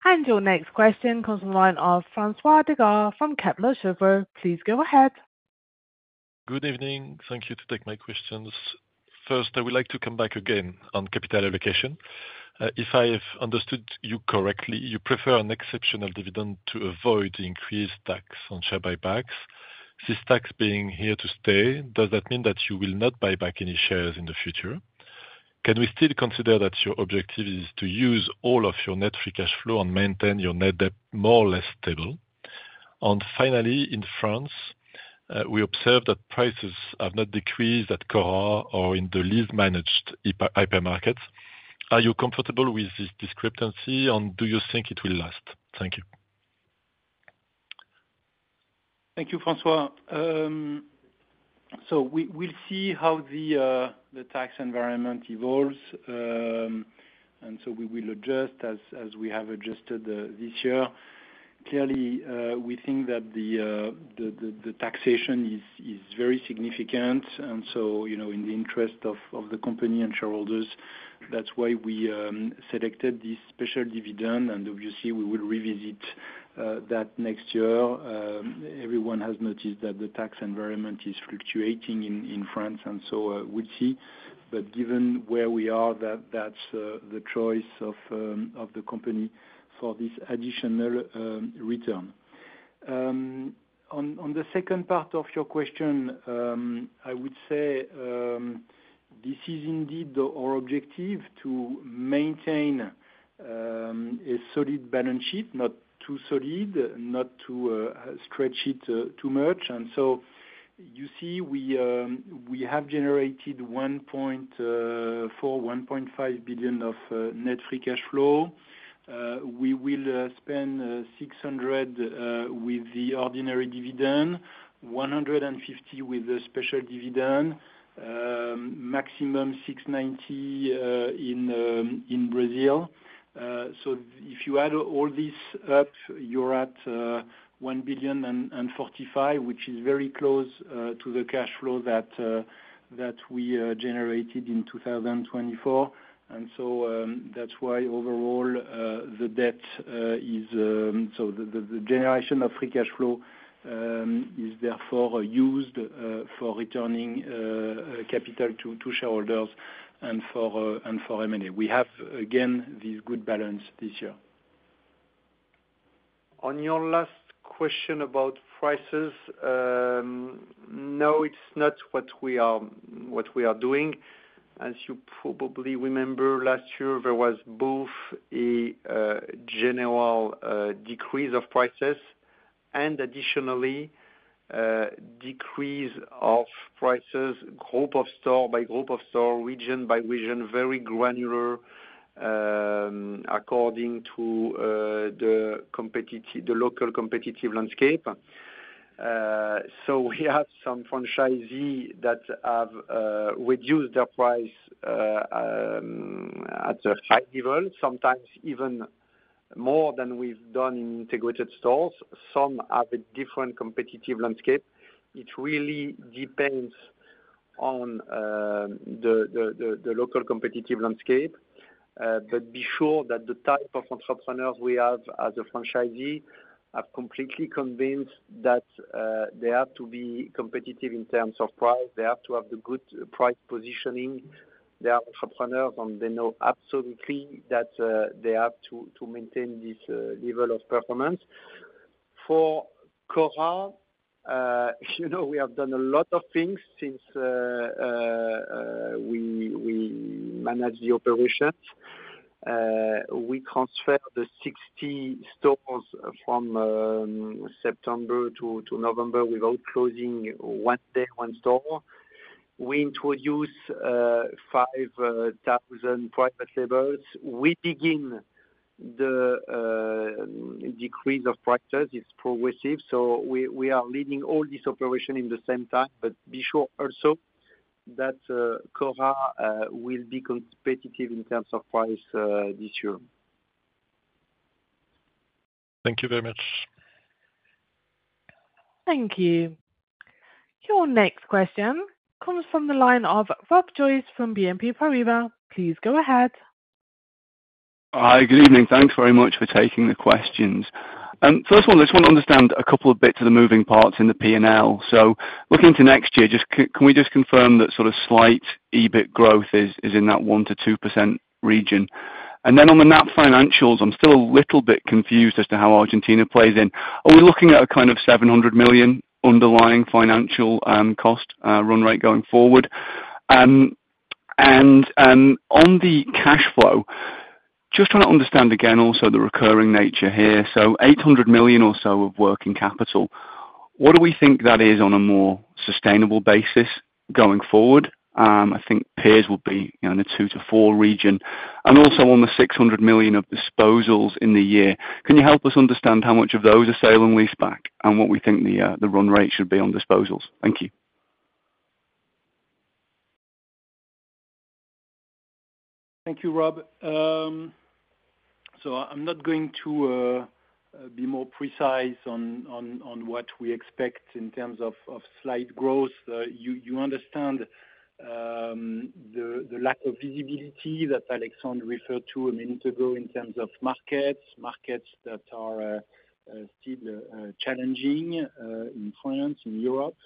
And your next question comes from the line of François Digard from Kepler Cheuvreux. Please go ahead. Good evening. Thank you to take my questions. First, I would like to come back again on capital allocation. If I have understood you correctly, you prefer an exceptional dividend to avoid increased tax on share buybacks. This tax being here to stay, does that mean that you will not buy back any shares in the future? Can we still consider that your objective is to use all of your net free cash flow and maintain your net debt more or less stable? And finally, in France, we observe that prices have not decreased at Cora or in the lease managed hypermarkets. Are you comfortable with this discrepancy and do you think it will last? Thank you. Thank you, François. We'll see how the tax environment evolves, and so we will adjust as we have adjusted this year. Clearly, we think that the taxation is very significant, and so in the interest of the company and shareholders, that's why we selected this special dividend, and obviously, we will revisit that next year. Everyone has noticed that the tax environment is fluctuating in France, and so we'll see. But given where we are, that's the choice of the company for this additional return. On the second part of your question, I would say this is indeed our objective to maintain a solid balance sheet, not too solid, not to stretch it too much, so you see, we have generated 1.4-1.5 billion of net free cash flow. We will spend 600 with the ordinary dividend, 150 with the special dividend, maximum 690 in Brazil. So if you add all this up, you're at €1.045 billion, which is very close to the cash flow that we generated in 2024. And so that's why overall, the debt is so the generation of free cash flow is therefore used for returning capital to shareholders and for M&A. We have, again, this good balance this year. On your last question about prices, no, it's not what we are doing. As you probably remember, last year, there was both a general decrease of prices and additionally decrease of prices, group of store by group of store, region by region, very granular according to the local competitive landscape. So we have some franchisees that have reduced their price at a high level, sometimes even more than we've done in integrated stores. Some have a different competitive landscape. It really depends on the local competitive landscape. But be sure that the type of entrepreneurs we have as a franchisee have completely convinced that they have to be competitive in terms of price. They have to have the good price positioning. They are entrepreneurs, and they know absolutely that they have to maintain this level of performance. For Cora, we have done a lot of things since we managed the operations. We transferred the 60 stores from September to November without closing one store. We introduced 5,000 private labels. We begin the decrease of prices. It's progressive. So we are leading all this operation in the same time. But be sure also that Cora will be competitive in terms of price this year. Thank you very much. Thank you. Your next question comes from the line of Rob Joyce from BNP Paribas. Please go ahead. Hi. Good evening. Thanks very much for taking the questions. First of all, I just want to understand a couple of bits of the moving parts in the P&L. So looking to next year, can we just confirm that sort of slight EBIT growth is in that 1%-2% region? And then on the Net financials, I'm still a little bit confused as to how Argentina plays in. Are we looking at a kind of €700 million underlying financial cost run rate going forward? And on the cash flow, just trying to understand again also the recurring nature here. So €800 million or so of working capital. What do we think that is on a more sustainable basis going forward? I think peers will be in a 2%-4% region. And also on the €600 million of disposals in the year, can you help us understand how much of those are sale and lease-back and what we think the run rate should be on disposals? Thank you. Thank you, Rob. So I'm not going to be more precise on what we expect in terms of slight growth. You understand the lack of visibility that Alexandre referred to a minute ago in terms of markets, markets that are still challenging in France, in Europe.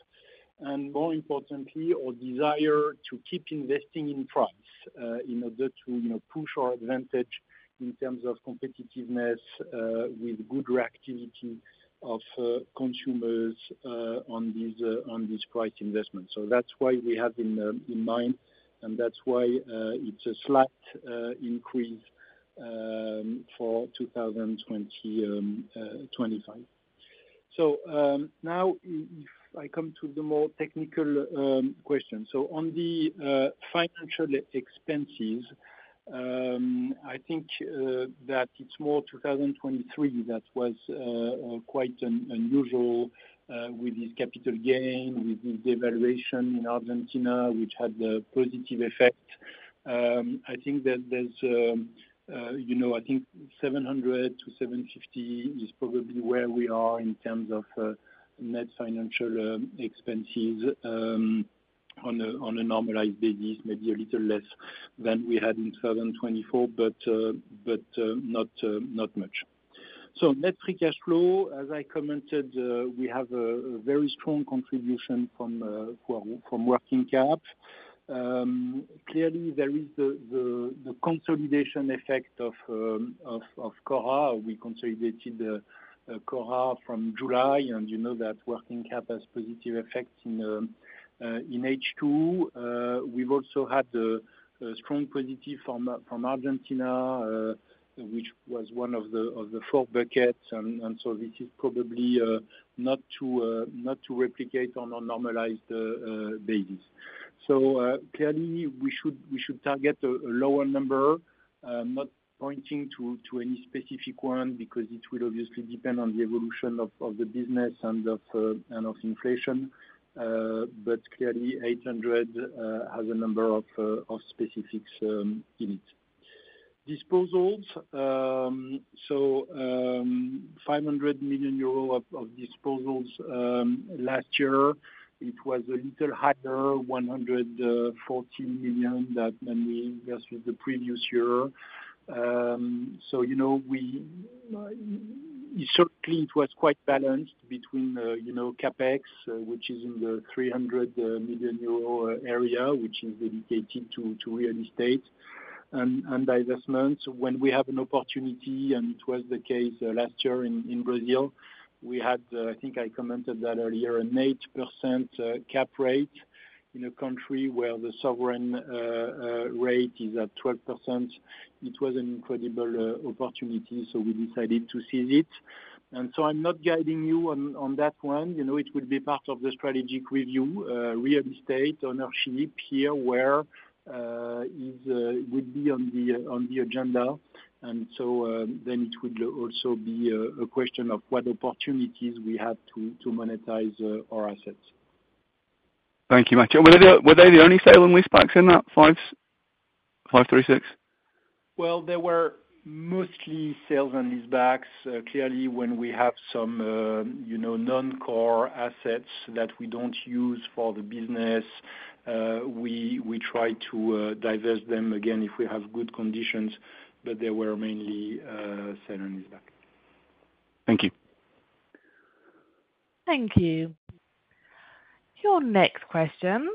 And more importantly, our desire to keep investing in price in order to push our advantage in terms of competitiveness with good reactivity of consumers on this price investment. So that's why we have in mind, and that's why it's a slight increase for 2025. So now, if I come to the more technical question. So on the financial expenses, I think that it's more 2023 that was quite unusual with this capital gain, with this devaluation in Argentina, which had the positive effect. I think that there's 700-750 is probably where we are in terms of net financial expenses on a normalized basis, maybe a little less than we had in 2024, but not much. So net free cash flow, as I commented, we have a very strong contribution from working cap. Clearly, there is the consolidation effect of Cora. We consolidated Cora from July, and you know that working cap has positive effects in H2. We've also had a strong positive from Argentina, which was one of the four buckets, and so this is probably not to replicate on a normalized basis. So clearly, we should target a lower number, not pointing to any specific one because it will obviously depend on the evolution of the business and of inflation. But clearly, 800 has a number of specifics in it. Disposals, so 500 million euros of disposals last year. It was a little higher, 140 million versus the previous year. So certainly, it was quite balanced between CapEx, which is in the 300 million euro area, which is dedicated to real estate and divestments. When we have an opportunity, and it was the case last year in Brazil, we had, I think I commented that earlier, an 8% cap rate in a country where the sovereign rate is at 12%. It was an incredible opportunity, so we decided to seize it. And so I'm not guiding you on that one. It will be part of the strategic review, real estate ownership here where it would be on the agenda, and so then it would also be a question of what opportunities we have to monetize our assets. Thank you, Matthieu. Were they the only sale and lease backs in that 536? Well, there were mostly sales and lease backs. Clearly, when we have some non-core assets that we don't use for the business, we try to divest them again if we have good conditions, but they were mainly sale and lease backs. Thank you. Thank you. Your next question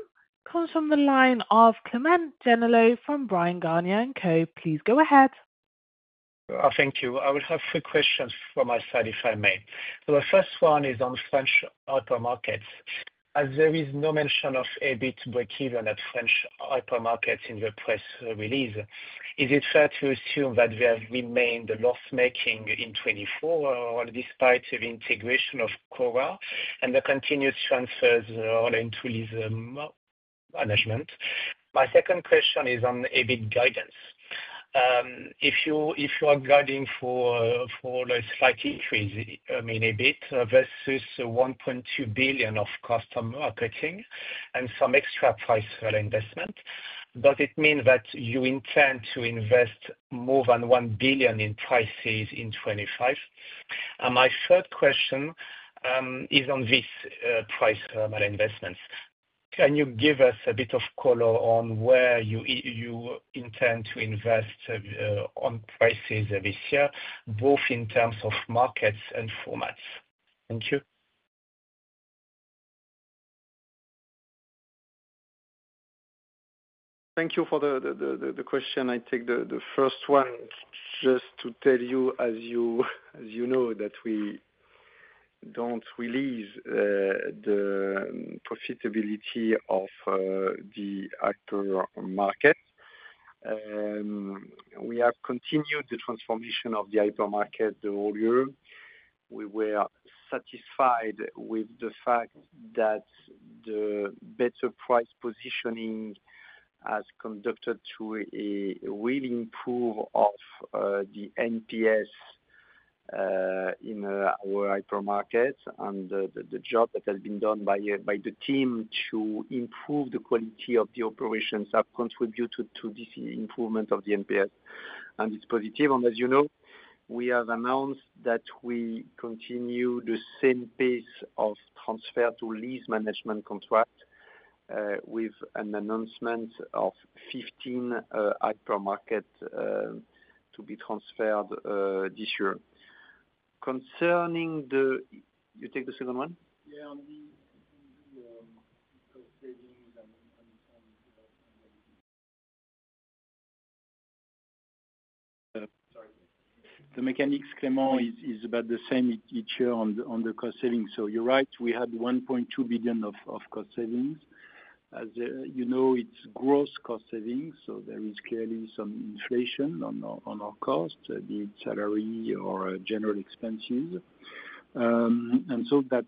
comes from the line of Clément Genelot from Bryan, Garnier & Co. Please go ahead. Thank you. I will have three questions from my side if I may, so the first one is on French hypermarkets. As there is no mention of EBIT break-even at French hypermarkets in the press release, is it fair to assume that they have remained loss-making in 2024 despite the integration of Cora and the continued transfers into lease management? My second question is on EBIT guidance. If you are guiding for a slight increase in EBIT versus €1.2 billion of customer marketing and some extra price investment, does it mean that you intend to invest more than €1 billion in prices in 2025? And my third question is on these price investments. Can you give us a bit of color on where you intend to invest on prices this year, both in terms of markets and formats? Thank you. Thank you for the question. I take the first one just to tell you, as you know, that we don't release the profitability of the hypermarket. We have continued the transformation of the hypermarket all year. We were satisfied with the fact that the better price positioning has conducted to a real improvement of the NPS in our hypermarket, and the job that has been done by the team to improve the quality of the operations have contributed to this improvement of the NPS, and it's positive, and as you know, we have announced that we continue the same pace of transfer to lease management contract with an announcement of 15 hypermarkets to be transferred this year. Concerning the - you take the second one. Yeah. The mechanics, Clément, is about the same each year on the cost savings. So you're right. We had €1.2 billion of cost savings. As you know, it's gross cost savings, so there is clearly some inflation on our cost, be it salary or general expenses. And so that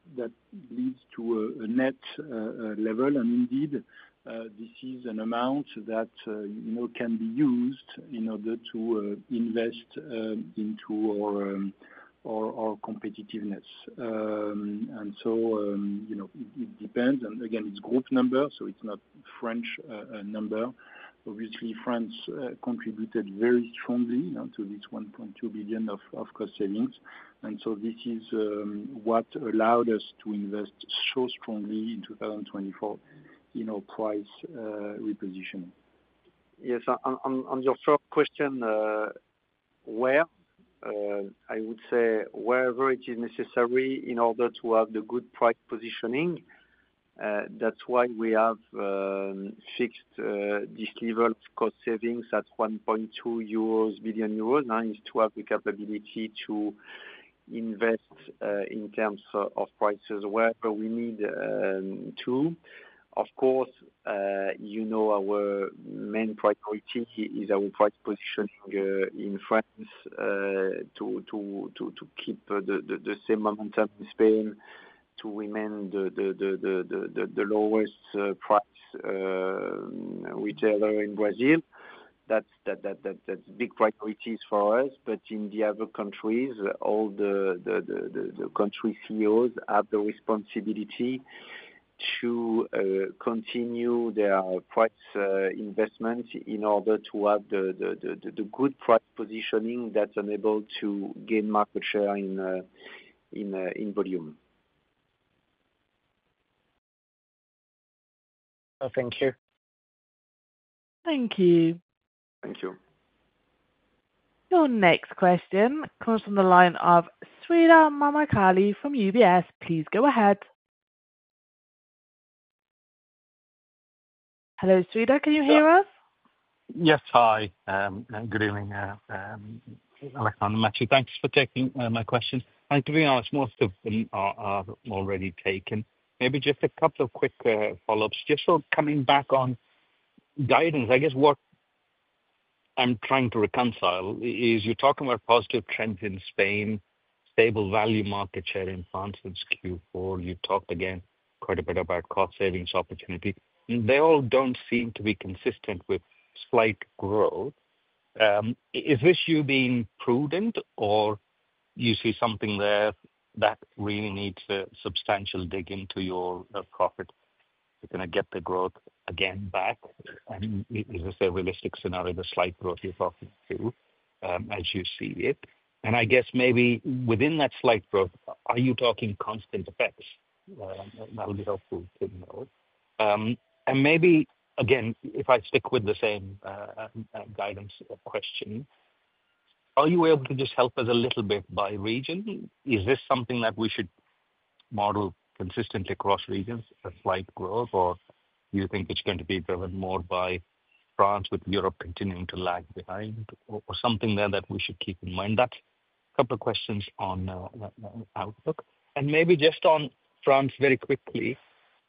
leads to a net level, and indeed, this is an amount that can be used in order to invest into our competitiveness. And so it depends. And again, it's group number, so it's not a French number. Obviously, France contributed very strongly to this 1.2 billion EUR of cost savings. And so this is what allowed us to invest so strongly in 2024 in our price repositioning. Yes. On your first question, where? I would say wherever it is necessary in order to have the good price positioning. That's why we have fixed this level of cost savings at 1.2 billion euros, and it's to have the capability to invest in terms of prices wherever we need to. Of course, our main priority is our price positioning in France to keep the same momentum in Spain, to remain the lowest price retailer in Brazil. That's big priorities for us, but in the other countries, all the country CEOs have the responsibility to continue their price investments in order to have the good price positioning that's enabled to gain market share in volume. Thank you. Thank you. Thank you. Your next question comes from the line of Sreedhar Mahamkali from UBS. Please go ahead. Hello, Sreedhar. Can you hear us? Yes. Hi. Good evening, Alexandre and Matthieu. Thanks for taking my question, and to be honest, most of them are already taken. Maybe just a couple of quick follow-ups. Just coming back on guidance, I guess what I'm trying to reconcile is you're talking about positive trends in Spain, stable value market share in France, and it's Q4. You talked again quite a bit about cost savings opportunity. They all don't seem to be consistent with slight growth. Is this you being prudent, or you see something there that really needs a substantial dig into your profit to kind of get the growth again back? And is this a realistic scenario, the slight growth you're talking to, as you see it? And I guess maybe within that slight growth, are you talking constant effects? That'll be helpful to know. And maybe, again, if I stick with the same guidance question, are you able to just help us a little bit by region? Is this something that we should model consistently across regions, a slight growth, or do you think it's going to be driven more by France with Europe continuing to lag behind, or something there that we should keep in mind? That's a couple of questions on outlook. Maybe just on France very quickly,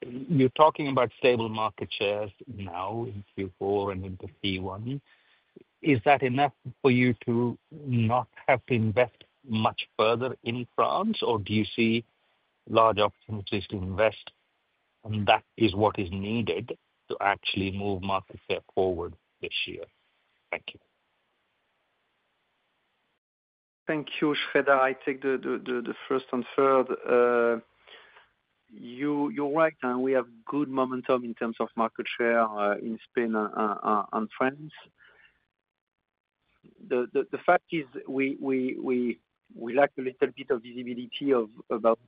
you're talking about stable market shares now in Q4 and in the Q1. Is that enough for you to not have to invest much further in France, or do you see large opportunities to invest? That is what is needed to actually move market share forward this year. Thank you. Thank you, Sreedhar. I take the first and third. You're right, and we have good momentum in terms of market share in Spain and France. The fact is we lack a little bit of visibility about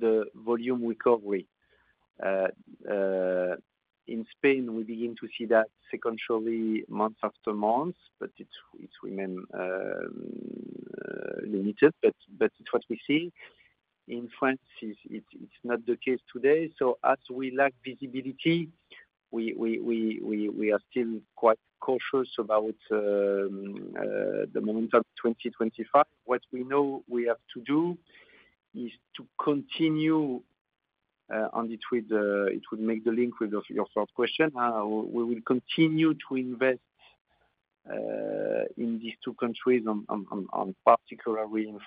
the volume recovery. In Spain, we begin to see that sequentially month after month, but it remains limited. It's what we see. In France, it's not the case today. As we lack visibility, we are still quite cautious about the momentum 2025. What we know we have to do is to continue, and it would make the link with your first question, we will continue to invest in these two countries, particularly in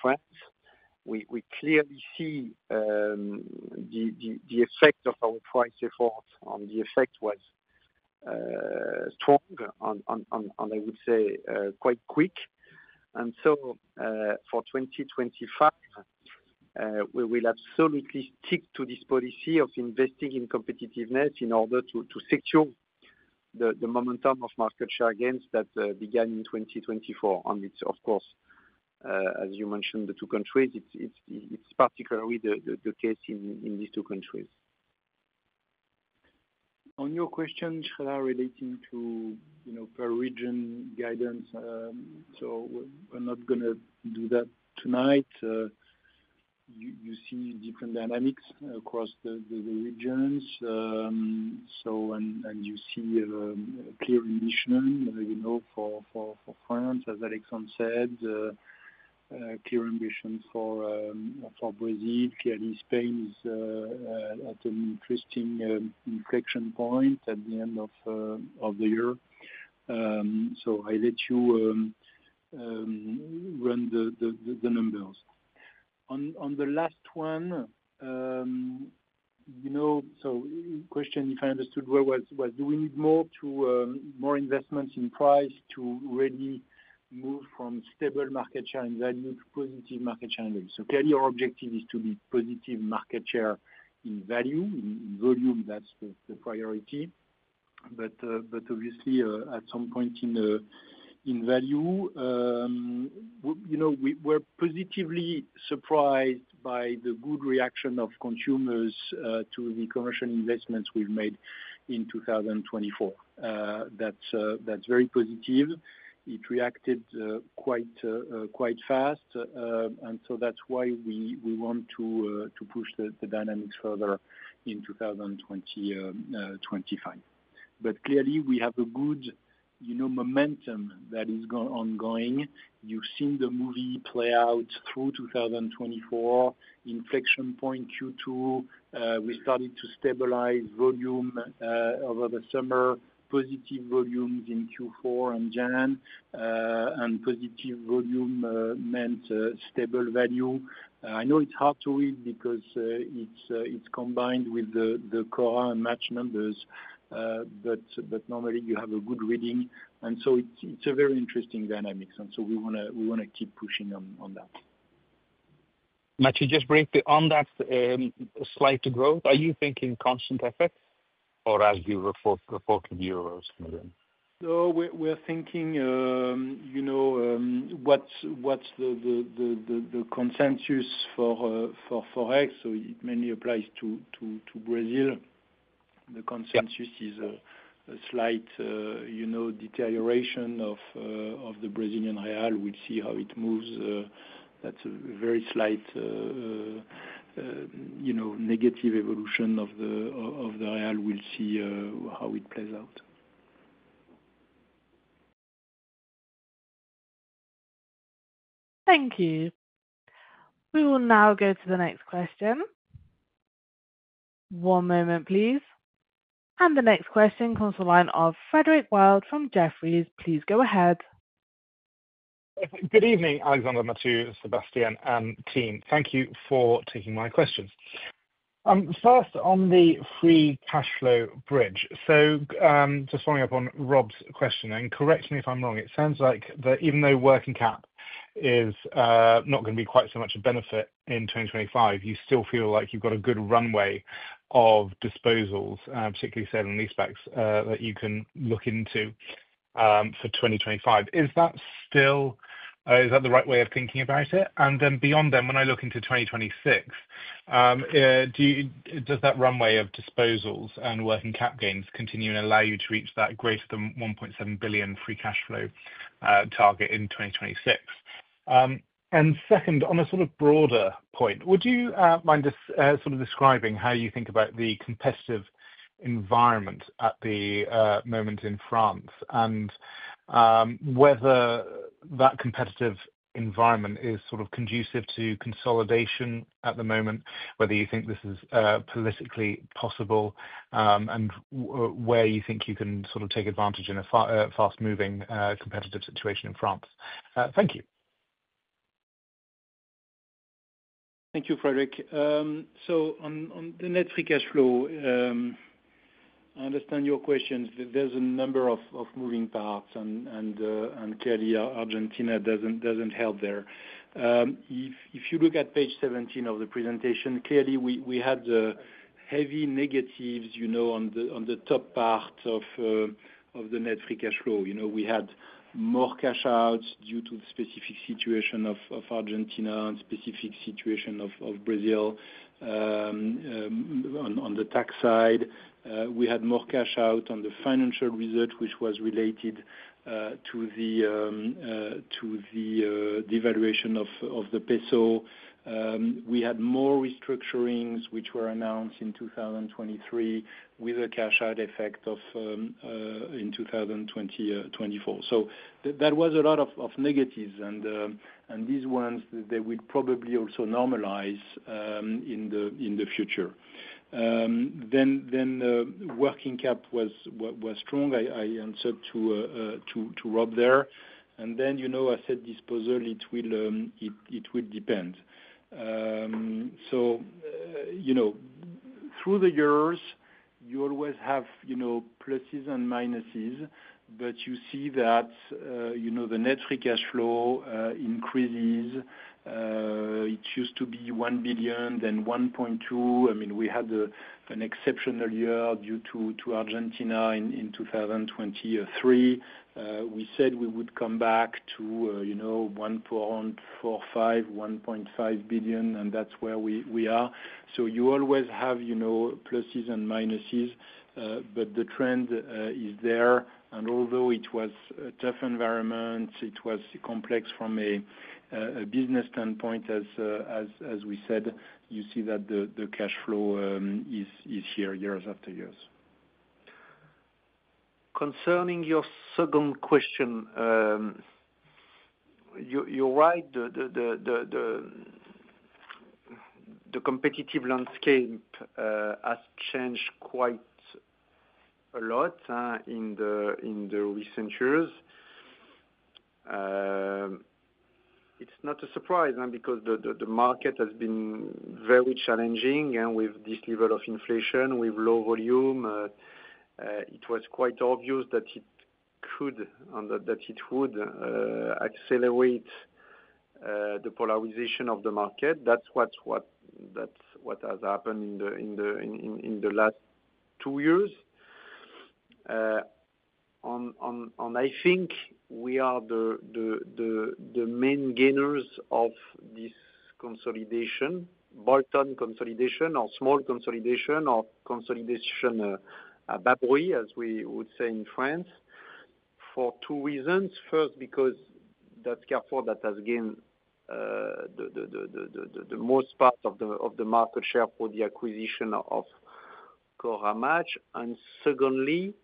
France. We clearly see the effect of our price effort, and the effect was strong, and I would say quite quick, and so for 2025, we will absolutely stick to this policy of investing in competitiveness in order to secure the momentum of market share gains that began in 2024, and it's, of course, as you mentioned, the two countries. It's particularly the case in these two countries. On your question, Sreedhar, relating to per region guidance, so we're not going to do that tonight. You see different dynamics across the regions, and you see clear ambition for France, as Alexandre said, clear ambitions for Brazil. Clearly, Spain is at an interesting inflection point at the end of the year. I let you run the numbers. On the last one, so question, if I understood well, do we need more investments in price to really move from stable market share in value to positive market share in value? Clearly, our objective is to be positive market share in value. In volume, that's the priority. But obviously, at some point in value, we're positively surprised by the good reaction of consumers to the commercial investments we've made in 2024. That's very positive. It reacted quite fast, and so that's why we want to push the dynamics further in 2025. But clearly, we have a good momentum that is ongoing. You've seen the movie play out through 2024. Inflection point Q2, we started to stabilize volume over the summer, positive volumes in Q4 and January, and positive volume meant stable value. I know it's hard to read because it's combined with the Cora and Match numbers, but normally, you have a good reading, and so it's a very interesting dynamic, and so we want to keep pushing on that. Matthieu, just briefly, on that slight growth, are you thinking constant effects or as you report to the euros. So we're thinking what's the consensus for forex, so it mainly applies to Brazil. The consensus is a slight deterioration of the Brazilian real. We'll see how it moves. That's a very slight negative evolution of the real. We'll see how it plays out. Thank you. We will now go to the next question. One moment, please, and the next question comes from the line of Frederick Wild from Jefferies. Please go ahead. Good evening, Alexandre, Matthieu, Sébastien, and team. Thank you for taking my questions. First, on the free cash flow bridge, so just following up on Rob's question, and correct me if I'm wrong, it sounds like that even though working cap is not going to be quite so much a benefit in 2025, you still feel like you've got a good runway of disposals, particularly sale and lease-backs that you can look into for 2025. Is that the right way of thinking about it? And then beyond then, when I look into 2026, does that runway of disposals and working cap gains continue and allow you to reach that greater than €1.7 billion free cash flow target in 2026? And second, on a sort of broader point, would you mind sort of describing how you think about the competitive environment at the moment in France and whether that competitive environment is sort of conducive to consolidation at the moment, whether you think this is politically possible, and where you think you can sort of take advantage in a fast-moving competitive situation in France? Thank you. Thank you, Frederick. So on the net free cash flow, I understand your questions. There's a number of moving parts, and clearly, Argentina doesn't help there. If you look at page 17 of the presentation, clearly, we had heavy negatives on the top part of the net free cash flow. We had more cash out due to the specific situation of Argentina and specific situation of Brazil on the tax side. We had more cash out on the financial result, which was related to the devaluation of the peso. We had more restructurings, which were announced in 2023 with a cash out effect in 2024. So that was a lot of negatives, and these ones, they would probably also normalize in the future. Then working cap was strong. I answered to Rob there. And then I said disposal, it will depend. So through the years, you always have pluses and minuses, but you see that the net free cash flow increases. It used to be €1 billion, then €1.2 billion. I mean, we had an exceptional year due to Argentina in 2023. We said we would come back to €1.5 billion, and that's where we are. So you always have pluses and minuses, but the trend is there. Although it was a tough environment, it was complex from a business standpoint. As we said, you see that the cash flow is here year after year. Concerning your second question, you're right. The competitive landscape has changed quite a lot in the recent years. It's not a surprise because the market has been very challenging with this level of inflation, with low volume. It was quite obvious that it could and that it would accelerate the polarization of the market. That's what has happened in the last two years. And I think we are the main gainers of this consolidation, bolt-on consolidation, or small consolidation, or consolidation à bas bruit, as we would say in France, for two reasons. First, because that's Carrefour that has gained the most part of the market share for the acquisition of Cora and Match. Secondly,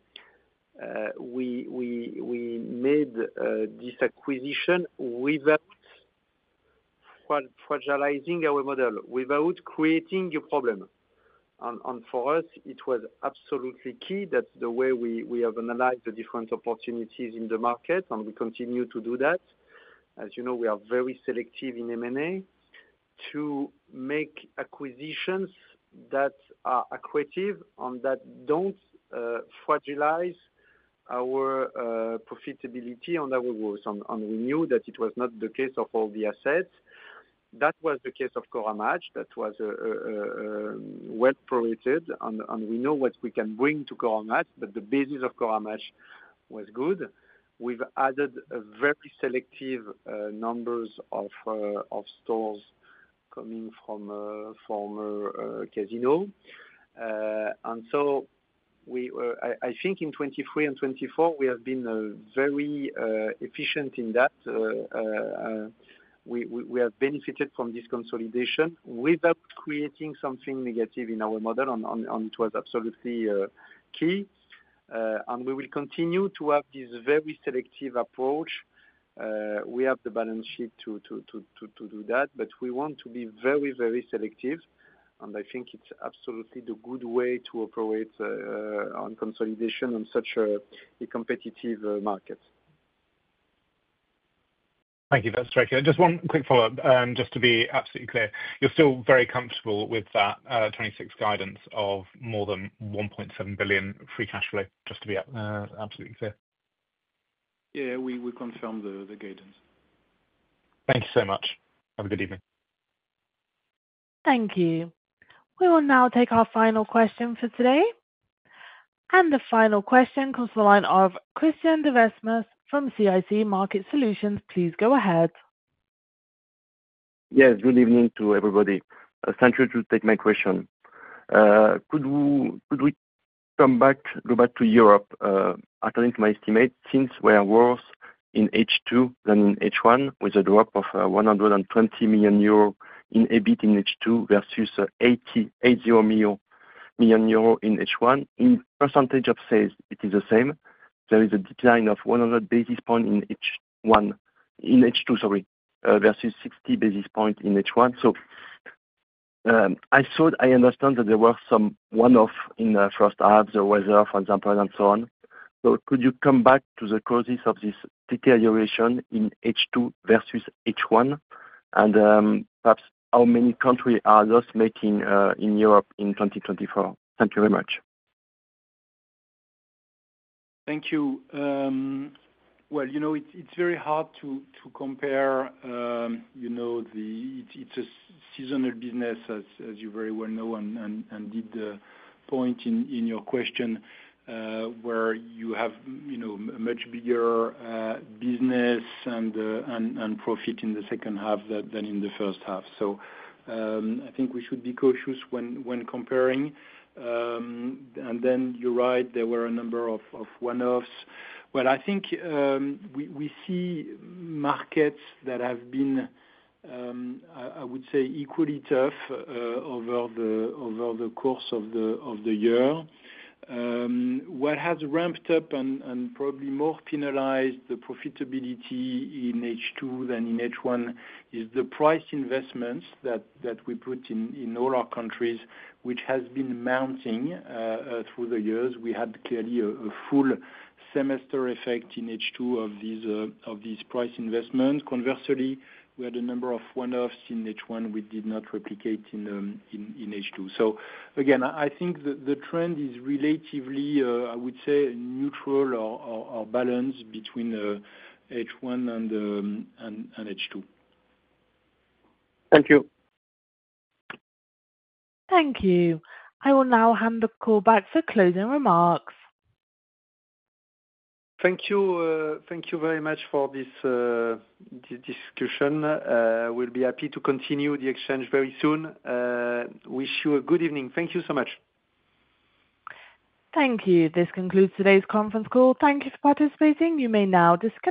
we made this acquisition without fragilizing our model, without creating a problem. For us, it was absolutely key that the way we have analyzed the different opportunities in the market, and we continue to do that. As you know, we are very selective in M&A to make acquisitions that are accretive and that don't fragilize our profitability on our growth. We knew that it was not the case of all the assets. That was the case of Cora Match. That was well-prorated, and we know what we can bring to Cora Match, but the basis of Cora Match was good. We've added very selective numbers of stores coming from former Casino. I think in 2023 and 2024, we have been very efficient in that. We have benefited from this consolidation without creating something negative in our model, and it was absolutely key. We will continue to have this very selective approach. We have the balance sheet to do that, but we want to be very, very selective. And I think it's absolutely the good way to operate on consolidation on such a competitive market. Thank you, that's very clear. Just one quick follow-up, just to be absolutely clear. You're still very comfortable with that 2026 guidance of more than 1.7 billion free cash flow, just to be absolutely clear? Yeah, we confirm the guidance. Thank you so much. Have a good evening. Thank you. We will now take our final question for today. And the final question comes from the line of Christian Devismes from CIC Market Solutions. Please go ahead. Yes, good evening to everybody. Thank you to take my question. Could we come back to Europe? According to my estimate, since we are worse in H2 than in H1, with a drop of €120 million in EBIT in H2 versus €80 million in H1, in percentage of sales, it is the same. There is a decline of 100 basis points in H2, sorry, versus 60 basis points in H1. So I understand that there were some one-offs in the first half, the weather, for example, and so on. So could you come back to the causes of this deterioration in H2 versus H1, and perhaps how many countries are loss-making in Europe in 2024? Thank you very much. Thank you. It's very hard to compare. It's a seasonal business, as you very well know, and did point in your question, where you have a much bigger business and profit in the second half than in the first half. So I think we should be cautious when comparing. And then you're right, there were a number of one-offs. Well, I think we see markets that have been, I would say, equally tough over the course of the year. What has ramped up and probably more penalized the profitability in H2 than in H1 is the price investments that we put in all our countries, which has been mounting through the years. We had clearly a full semester effect in H2 of these price investments. Conversely, we had a number of one-offs in H1 we did not replicate in H2. So again, I think the trend is relatively, I would say, neutral or balanced between H1 and H2. Thank you. Thank you. I will now hand the call back for closing remarks. Thank you very much for this discussion. We'll be happy to continue the exchange very soon. Wish you a good evening. Thank you so much. Thank you. This concludes today's conference call. Thank you for participating. You may now disconnect.